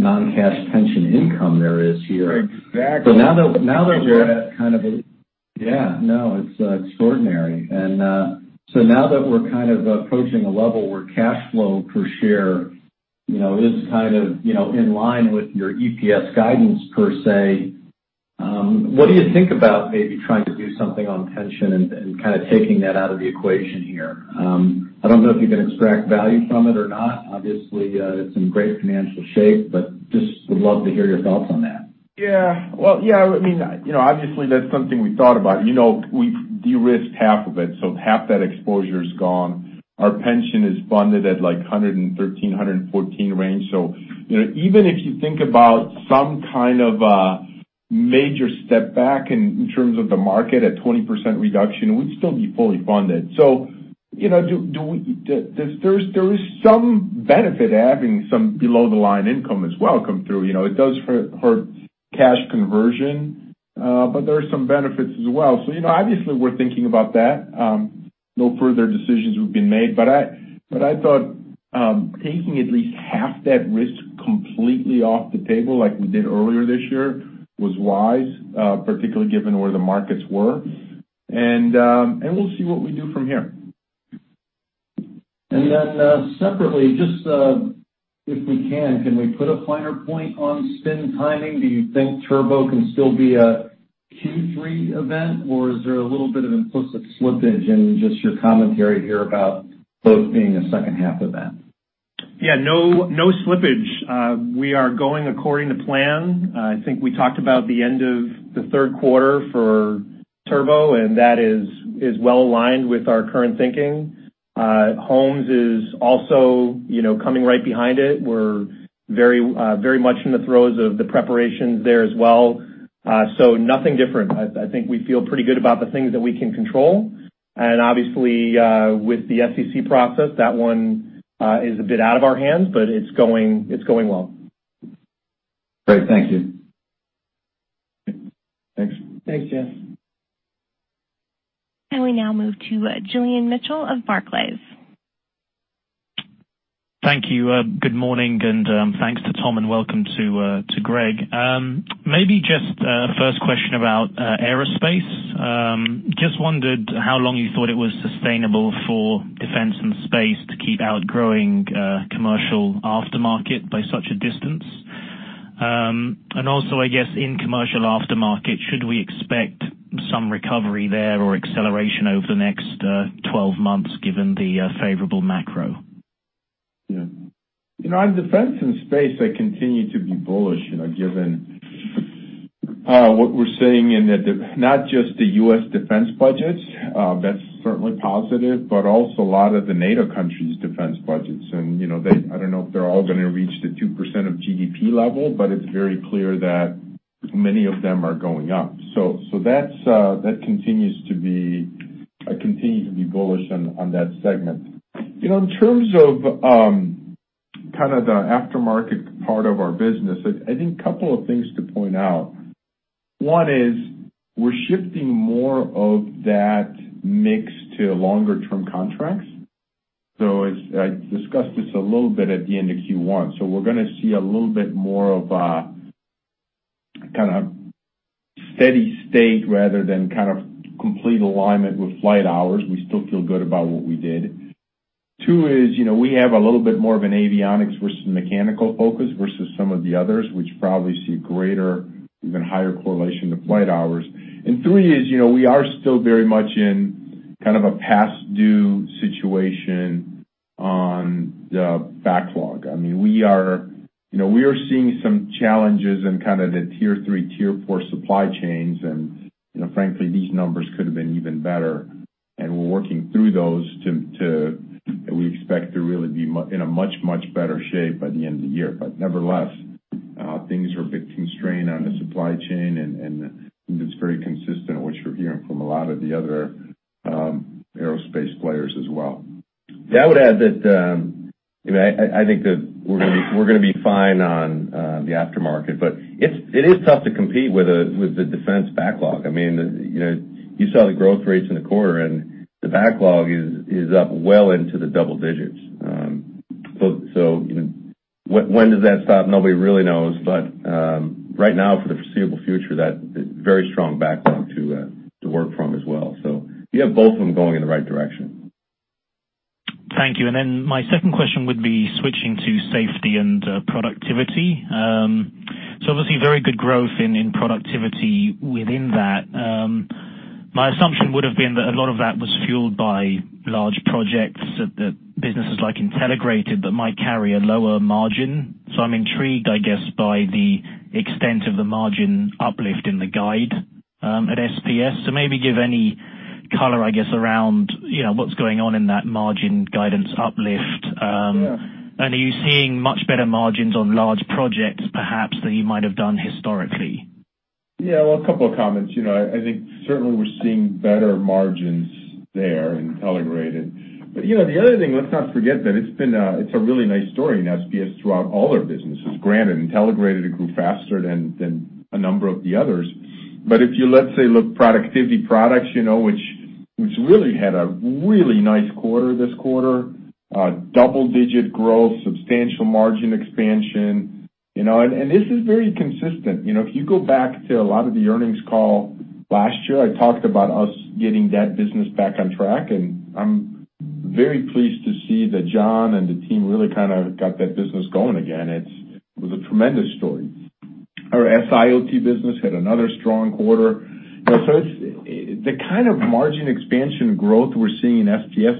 non-cash pension income there is here. Exactly. Yeah. No, it's extraordinary. Now that we're kind of approaching a level where cash flow per share is in line with your EPS guidance per se, what do you think about maybe trying to do something on pension and kind of taking that out of the equation here? I don't know if you can extract value from it or not. Obviously, it's in great financial shape, but just would love to hear your thoughts on that. Yeah. Obviously that's something we thought about. We've de-risked half of it, so half that exposure is gone. Our pension is funded at like 113, 114 range. Even if you think about some kind of a major step back in terms of the market, a 20% reduction, we'd still be fully funded. There is some benefit to having some below-the-line income as well come through. It does hurt cash conversion, but there are some benefits as well. Obviously we're thinking about that. No further decisions have been made, but I thought taking at least half that risk completely off the table like we did earlier this year was wise, particularly given where the markets were. We'll see what we do from here. Separately, just if we can we put a finer point on spin timing? Do you think Turbo can still be a Q3 event, or is there a little bit of implicit slippage in just your commentary here about both being a second half event? Yeah, no slippage. We are going according to plan. I think we talked about the end of the third quarter for Turbo, and that is well aligned with our current thinking. Homes is also coming right behind it. We're very much in the throes of the preparations there as well. Nothing different. I think we feel pretty good about the things that we can control. Obviously, with the SEC process, that one is a bit out of our hands, but it's going well. Great. Thank you. Thanks. Thanks, Jeff. We now move to Julian Mitchell of Barclays. Thank you. Good morning, and thanks to Tom and welcome to Greg. Maybe just a first question about aerospace. Just wondered how long you thought it was sustainable for defense and space to keep outgrowing commercial aftermarket by such a distance. Also, I guess, in commercial aftermarket, should we expect some recovery there or acceleration over the next 12 months given the favorable macro? Yeah. In defense and space, I continue to be bullish, given what we're seeing in not just the U.S. defense budgets, that's certainly positive, but also a lot of the NATO countries' defense budgets. I don't know if they're all going to reach the 2% of GDP level, but it's very clear that many of them are going up. That continues to be I continue to be bullish on that segment. In terms of the aftermarket part of our business, I think two things to point out. One is we're shifting more of that mix to longer-term contracts. I discussed this a little bit at the end of Q1. We're going to see a little bit more of a steady state rather than complete alignment with flight hours. We still feel good about what we did. Two is, we have a little bit more of an avionics versus mechanical focus versus some of the others, which probably see greater, even higher correlation to flight hours. Three is, we are still very much in a past-due situation on the backlog. We are seeing some challenges in the tier 3, tier 4 supply chains, and frankly, these numbers could have been even better, and we're working through those. We expect to really be in a much better shape by the end of the year. Nevertheless, things are a bit constrained on the supply chain, and it's very consistent, which we're hearing from a lot of the other aerospace players as well. I would add that I think that we're going to be fine on the aftermarket, but it is tough to compete with the defense backlog. You saw the growth rates in the quarter and the backlog is up well into the double digits. When does that stop? Nobody really knows. Right now for the foreseeable future, that very strong backlog to work from as well. You have both of them going in the right direction. Thank you. My second question would be switching to Safety and Productivity. Obviously very good growth in productivity within that. My assumption would have been that a lot of that was fueled by large projects that businesses like Intelligrated that might carry a lower margin. I'm intrigued, I guess, by the extent of the margin uplift in the guide at SPS. Maybe give any color, I guess, around what's going on in that margin guidance uplift. Yeah. Are you seeing much better margins on large projects, perhaps, than you might have done historically? Well, a couple of comments. I think certainly we're seeing better margins there in Intelligrated. The other thing, let's not forget that it's a really nice story in SPS throughout all their businesses. Granted, Intelligrated grew faster than a number of the others. If you, let's say, look Productivity Products, which really had a really nice quarter this quarter. Double-digit growth, substantial margin expansion, and this is very consistent. If you go back to a lot of the earnings call last year, I talked about us getting that business back on track, and I'm very pleased to see that John and the team really got that business going again. It was a tremendous story. Our SIoT business had another strong quarter. The kind of margin expansion growth we're seeing in SPS,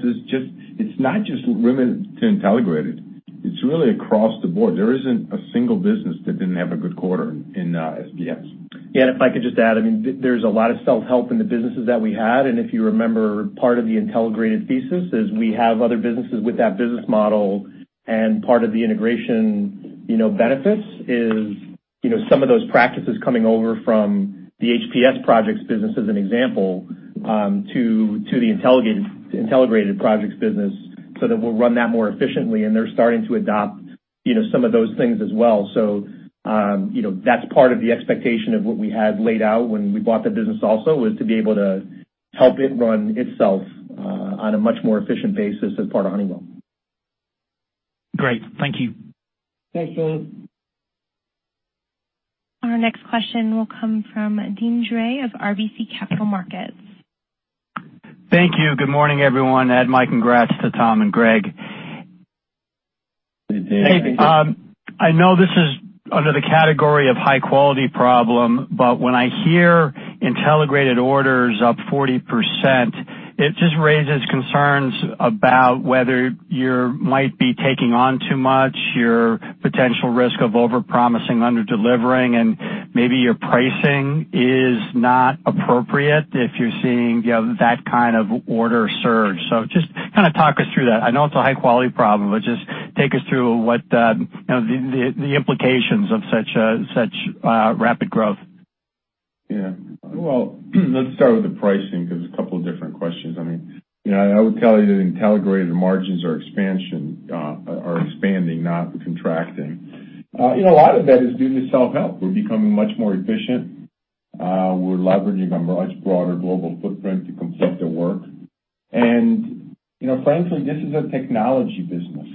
it's not just limited to Intelligrated. It's really across the board. There isn't a single business that didn't have a good quarter in SPS. If I could just add, there's a lot of self-help in the businesses that we had, and if you remember, part of the Intelligrated thesis is we have other businesses with that business model, and part of the integration benefits is some of those practices coming over from the HPS projects business as an example, to the Intelligrated projects business so that we'll run that more efficiently and they're starting to adopt some of those things as well. That's part of the expectation of what we had laid out when we bought that business also, was to be able to help it run itself on a much more efficient basis as part of Honeywell. Great. Thank you. Thanks, Julian. Our next question will come from Deane Dray of RBC Capital Markets. Thank you. Good morning, everyone. Add my congrats to Tom and Greg. Hey, Deane. Hey, Deane. I know this is under the category of high-quality problem, but when I hear Intelligrated order is up 40%, it just raises concerns about whether you might be taking on too much, your potential risk of over-promising, under-delivering, and maybe your pricing is not appropriate if you're seeing that kind of order surge. Just kind of talk us through that. I know it's a high-quality problem, but just take us through what the implications of such rapid growth. Yeah. Let's start with the pricing because a couple of different questions. I would tell you that Intelligrated margins are expanding, not contracting. A lot of that is due to self-help. We're becoming much more efficient. We're leveraging a much broader global footprint to complete the work. Frankly, this is a technology business.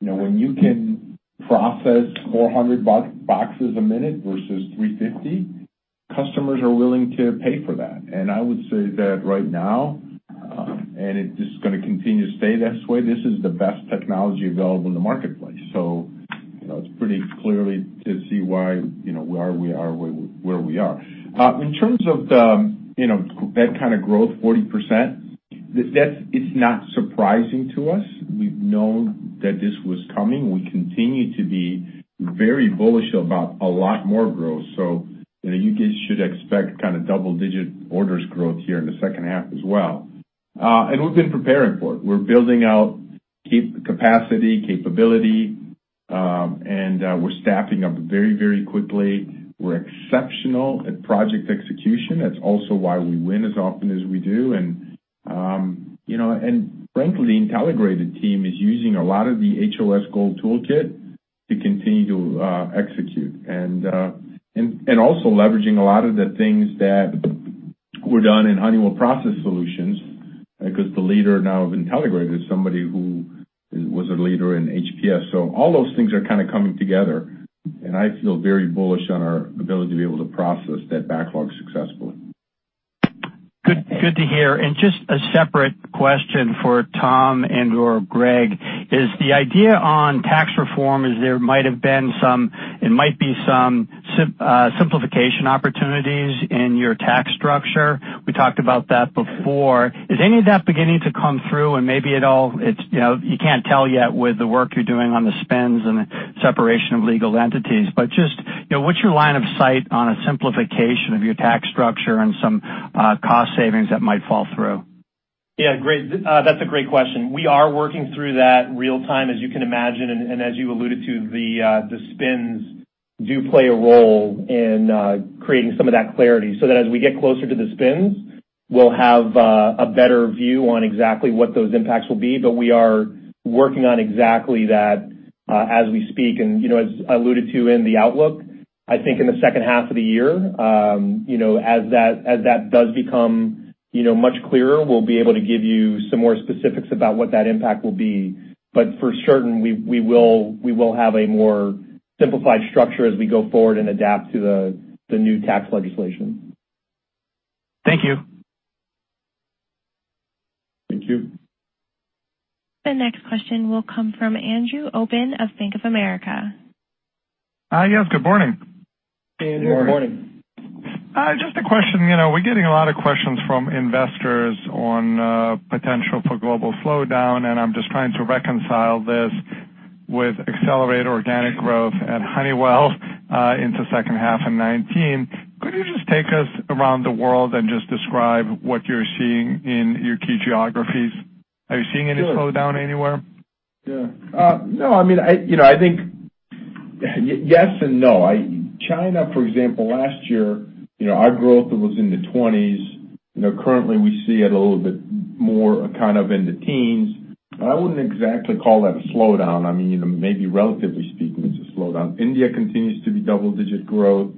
When you can process 400 boxes a minute versus 350, customers are willing to pay for that. I would say that right now, and it is going to continue to stay this way, this is the best technology available in the marketplace. It's pretty clear to see why we are where we are. In terms of that kind of growth, 40%, it's not surprising to us. We've known that this was coming. We continue to be very bullish about a lot more growth. You guys should expect double-digit orders growth here in the second half as well. We've been preparing for it. We're building out key capacity, capability, and we're staffing up very quickly. We're exceptional at project execution. That's also why we win as often as we do. Frankly, Intelligrated team is using a lot of the HOS Gold toolkit to continue to execute. Also leveraging a lot of the things that were done in Honeywell Process Solutions, because the leader now of Intelligrated is somebody who was a leader in HPS. All those things are kind of coming together, and I feel very bullish on our ability to be able to process that backlog successfully. Good to hear. Just a separate question for Tom and/or Greg is the idea on tax reform, it might be some simplification opportunities in your tax structure. We talked about that before. Is any of that beginning to come through and maybe at all, you can't tell yet with the work you're doing on the spins and the separation of legal entities, but just what's your line of sight on a simplification of your tax structure and some cost savings that might fall through? Yeah, that's a great question. We are working through that real time, as you can imagine. As you alluded to, the spins do play a role in creating some of that clarity, so that as we get closer to the spins, we'll have a better view on exactly what those impacts will be. We are working on exactly that as we speak. As I alluded to in the outlook, I think in the second half of the year, as that does become much clearer, we'll be able to give you some more specifics about what that impact will be. For certain, we will have a more simplified structure as we go forward and adapt to the new tax legislation. Thank you. Thank you. The next question will come from Andrew Obin of Bank of America. Hi, yes, good morning. Good morning. Good morning. Just a question. We're getting a lot of questions from investors on potential for global slowdown. I'm just trying to reconcile this with accelerated organic growth at Honeywell into second half in 2019. Could you just take us around the world and just describe what you're seeing in your key geographies? Are you seeing any slowdown anywhere? Yeah. No, I think yes and no. China, for example, last year, our growth was in the 20s. Currently we see it a little bit more kind of in the teens. I wouldn't exactly call that a slowdown. Maybe relatively speaking, it's a slowdown. India continues to be double-digit growth.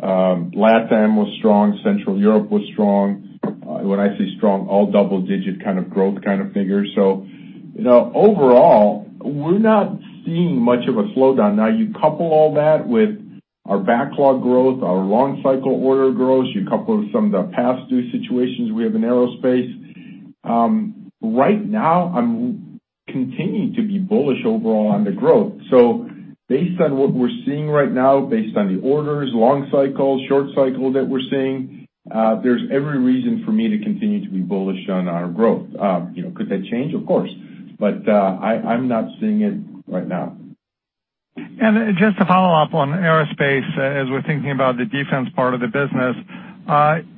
LatAm was strong. Central Europe was strong. When I say strong, all double-digit kind of growth kind of figures. Overall, we're not seeing much of a slowdown. Now, you couple all that with our backlog growth, our long cycle order growth, you couple it with some of the past due situations we have in aerospace. Right now, I'm continuing to be bullish overall on the growth. Based on what we're seeing right now, based on the orders, long cycle, short cycle that we're seeing, there's every reason for me to continue to be bullish on our growth. Could that change? Of course. I'm not seeing it right now. Just to follow up on aerospace, as we're thinking about the defense part of the business,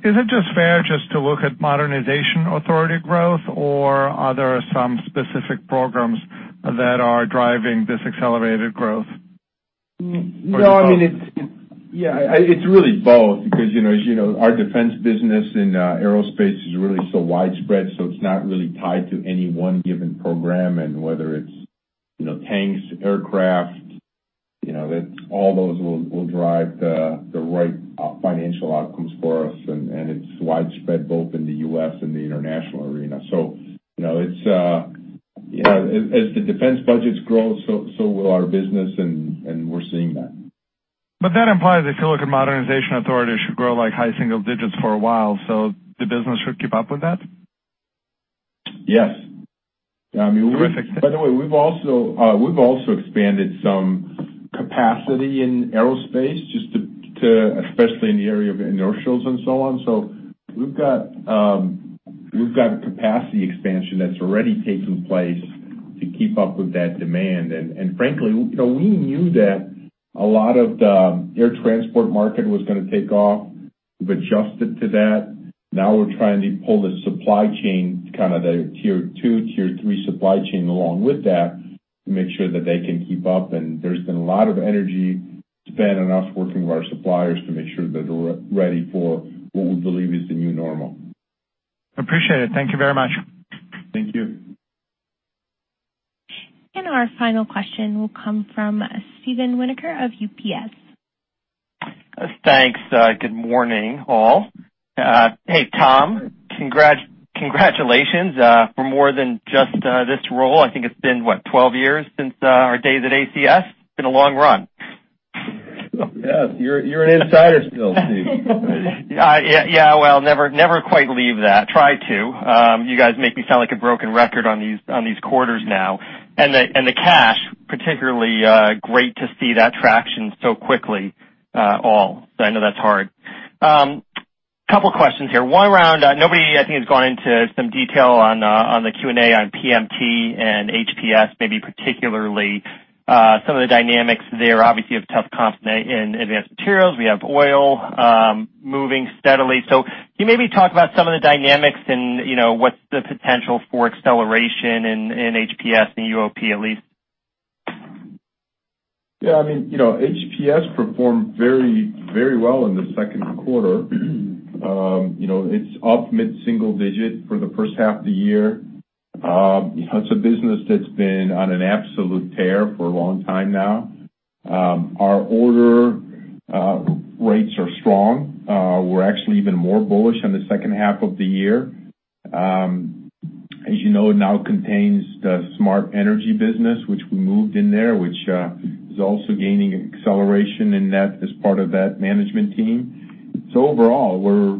is it just fair just to look at modernization authority growth, or are there some specific programs that are driving this accelerated growth? No, it's really both because as you know, our defense business in aerospace is really so widespread, so it's not really tied to any one given program, whether it's tanks, aircraft, all those will drive the right financial outcomes for us. It's widespread both in the U.S. and the international arena. As the defense budgets grow, so will our business, and we're seeing that. That implies if you look at modernization authority, it should grow like high single digits for a while. The business should keep up with that? Yes. Terrific. By the way, we've also expanded some capacity in aerospace, especially in the area of inertials and so on. We've got a capacity expansion that's already taking place to keep up with that demand. Frankly, we knew that a lot of the air transport market was going to take off. We've adjusted to that. Now we're trying to pull the supply chain to kind of the tier 2, tier 3 supply chain along with that to make sure that they can keep up, and there's been a lot of energy spent on us working with our suppliers to make sure that they're ready for what we believe is the new normal. Appreciate it. Thank you very much. Thank you. Our final question will come from Steve Winoker of UBS. Thanks. Good morning, all. Hey, Tom, congratulations for more than just this role. I think it's been, what, 12 years since our days at ACS? Been a long run. Yes. You're an insider still, Steve. Well, never quite leave that. Tried to. You guys make me sound like a broken record on these quarters now. The cash, particularly, great to see that traction so quickly, all. I know that's hard. Couple questions here. One around, nobody I think has gone into some detail on the Q&A on PMT and HPS, maybe particularly some of the dynamics there obviously of tough comp in Advanced Materials. We have oil moving steadily. Can you maybe talk about some of the dynamics and what's the potential for acceleration in HPS and UOP at least? HPS performed very well in the second quarter. It's up mid-single digit for the first half of the year. It's a business that's been on an absolute tear for a long time now. Our order rates are strong. We're actually even more bullish on the second half of the year. As you know, it now contains the Smart Energy business, which we moved in there, which is also gaining acceleration in that as part of that management team. Overall, we're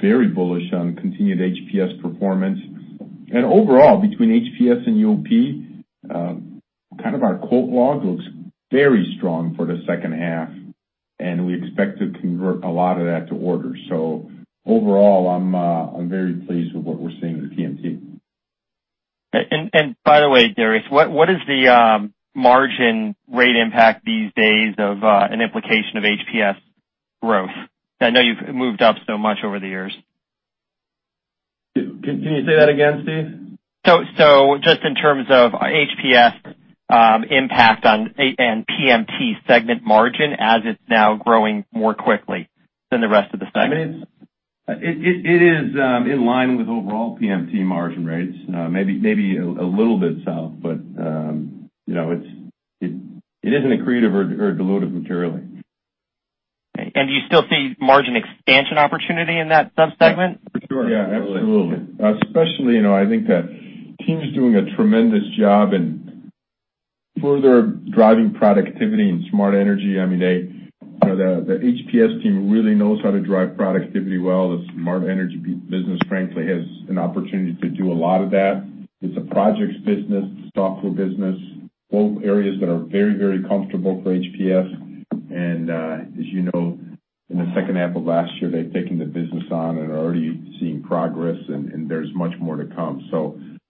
very bullish on continued HPS performance. Overall, between HPS and UOP, our quote log looks very strong for the second half, and we expect to convert a lot of that to orders. Overall, I'm very pleased with what we're seeing with PMT. By the way, Darius, what is the margin rate impact these days of an implication of HPS growth? I know you've moved up so much over the years. Can you say that again, Steve? Just in terms of HPS impact and PMT segment margin as it's now growing more quickly than the rest of the segment. It is in line with overall PMT margin rates. Maybe a little bit south, it isn't accretive or dilutive materially. Do you still see margin expansion opportunity in that sub-segment? For sure. Yeah, absolutely. Especially, I think the team's doing a tremendous job in further driving productivity and Smart Energy. The HPS team really knows how to drive productivity well. The Smart Energy business, frankly, has an opportunity to do a lot of that. It's a projects business, software business, both areas that are very, very comfortable for HPS. As you know, in the second half of last year, they've taken the business on and are already seeing progress and there's much more to come.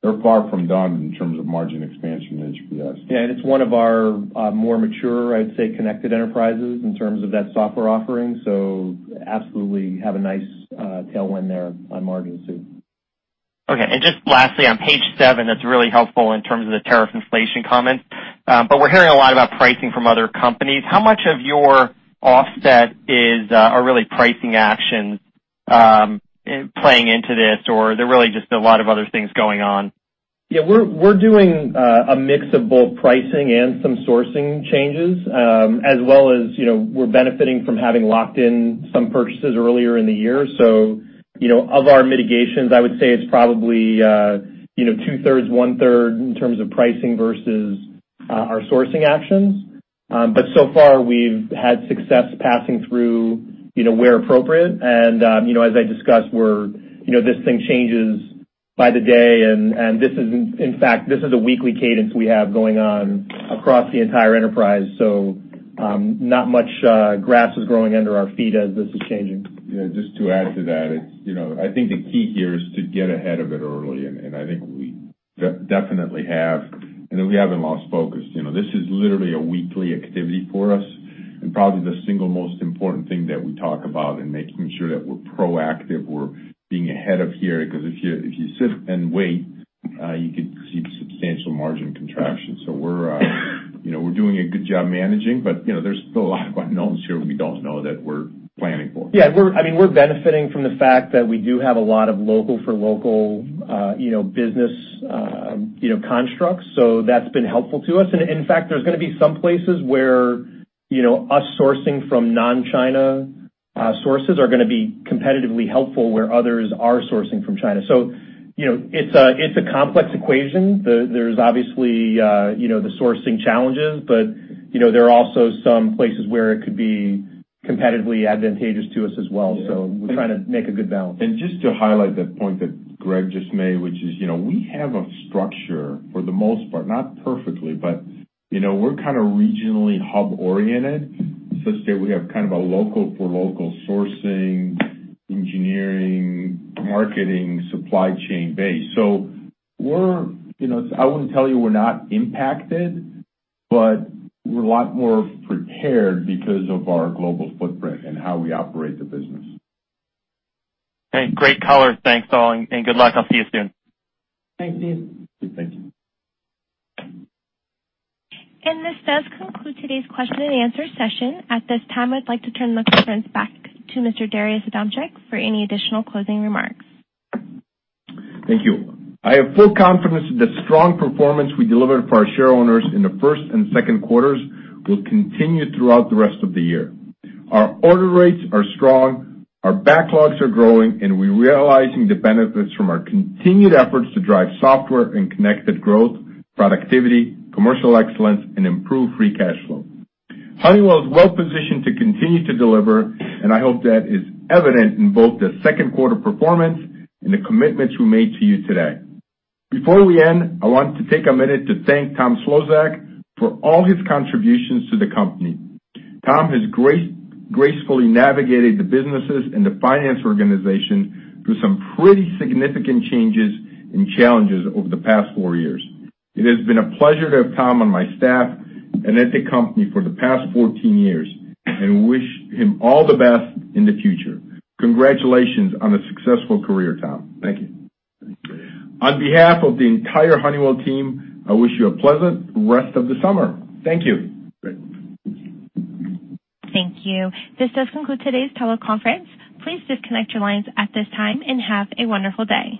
They're far from done in terms of margin expansion in HPS. Yeah, it's one of our more mature, I'd say, connected enterprises in terms of that software offering. Absolutely have a nice tailwind there on margins, too. Okay. Just lastly, on page seven, that's really helpful in terms of the tariff inflation comment. We're hearing a lot about pricing from other companies. How much of your offset is a really pricing action playing into this, or there are really just a lot of other things going on? Yeah, we're doing a mix of both pricing and some sourcing changes, as well as we're benefiting from having locked in some purchases earlier in the year. Of our mitigations, I would say it's probably two-thirds, one-third in terms of pricing versus our sourcing actions. So far we've had success passing through where appropriate. As I discussed, this thing changes by the day, and this is, in fact, a weekly cadence we have going on across the entire enterprise. Not much grass is growing under our feet as this is changing. Yeah, just to add to that, I think the key here is to get ahead of it early, I think we definitely have, we haven't lost focus. This is literally a weekly activity for us and probably the single most important thing that we talk about in making sure that we're proactive, we're being ahead of here, because if you sit and wait, you could see substantial margin contraction. We're doing a good job managing, there's still a lot of unknowns here we don't know that we're planning for. Yeah. We're benefiting from the fact that we do have a lot of local for local business constructs. That's been helpful to us. In fact, there's going to be some places where us sourcing from non-China sources are going to be competitively helpful where others are sourcing from China. It's a complex equation. There's obviously the sourcing challenges, there are also some places where it could be competitively advantageous to us as well. We're trying to make a good balance. Just to highlight that point that Greg just made, which is we have a structure for the most part, not perfectly, but we're kind of regionally hub oriented, such that we have kind of a local for local sourcing, engineering, marketing, supply chain base. I wouldn't tell you we're not impacted, but we're a lot more prepared because of our global footprint and how we operate the business. Okay. Great color. Thanks all, and good luck. I'll see you soon. Thanks, Steve. Thank you. This does conclude today's question and answer session. At this time, I'd like to turn the conference back to Mr. Darius Adamczyk for any additional closing remarks. Thank you. I have full confidence that the strong performance we delivered for our shareowners in the first and second quarters will continue throughout the rest of the year. Our order rates are strong, our backlogs are growing, and we're realizing the benefits from our continued efforts to drive software and connected growth, productivity, commercial excellence, and improved free cash flow. Honeywell is well positioned to continue to deliver, and I hope that is evident in both the second quarter performance and the commitments we made to you today. Before we end, I want to take a minute to thank Tom Szlosek for all his contributions to the company. Tom has gracefully navigated the businesses and the finance organization through some pretty significant changes and challenges over the past four years. It has been a pleasure to have Tom on my staff and at the company for the past 14 years, and wish him all the best in the future. Congratulations on a successful career, Tom. Thank you. On behalf of the entire Honeywell team, I wish you a pleasant rest of the summer. Thank you. Great. Thank you. This does conclude today's teleconference. Please disconnect your lines at this time and have a wonderful day.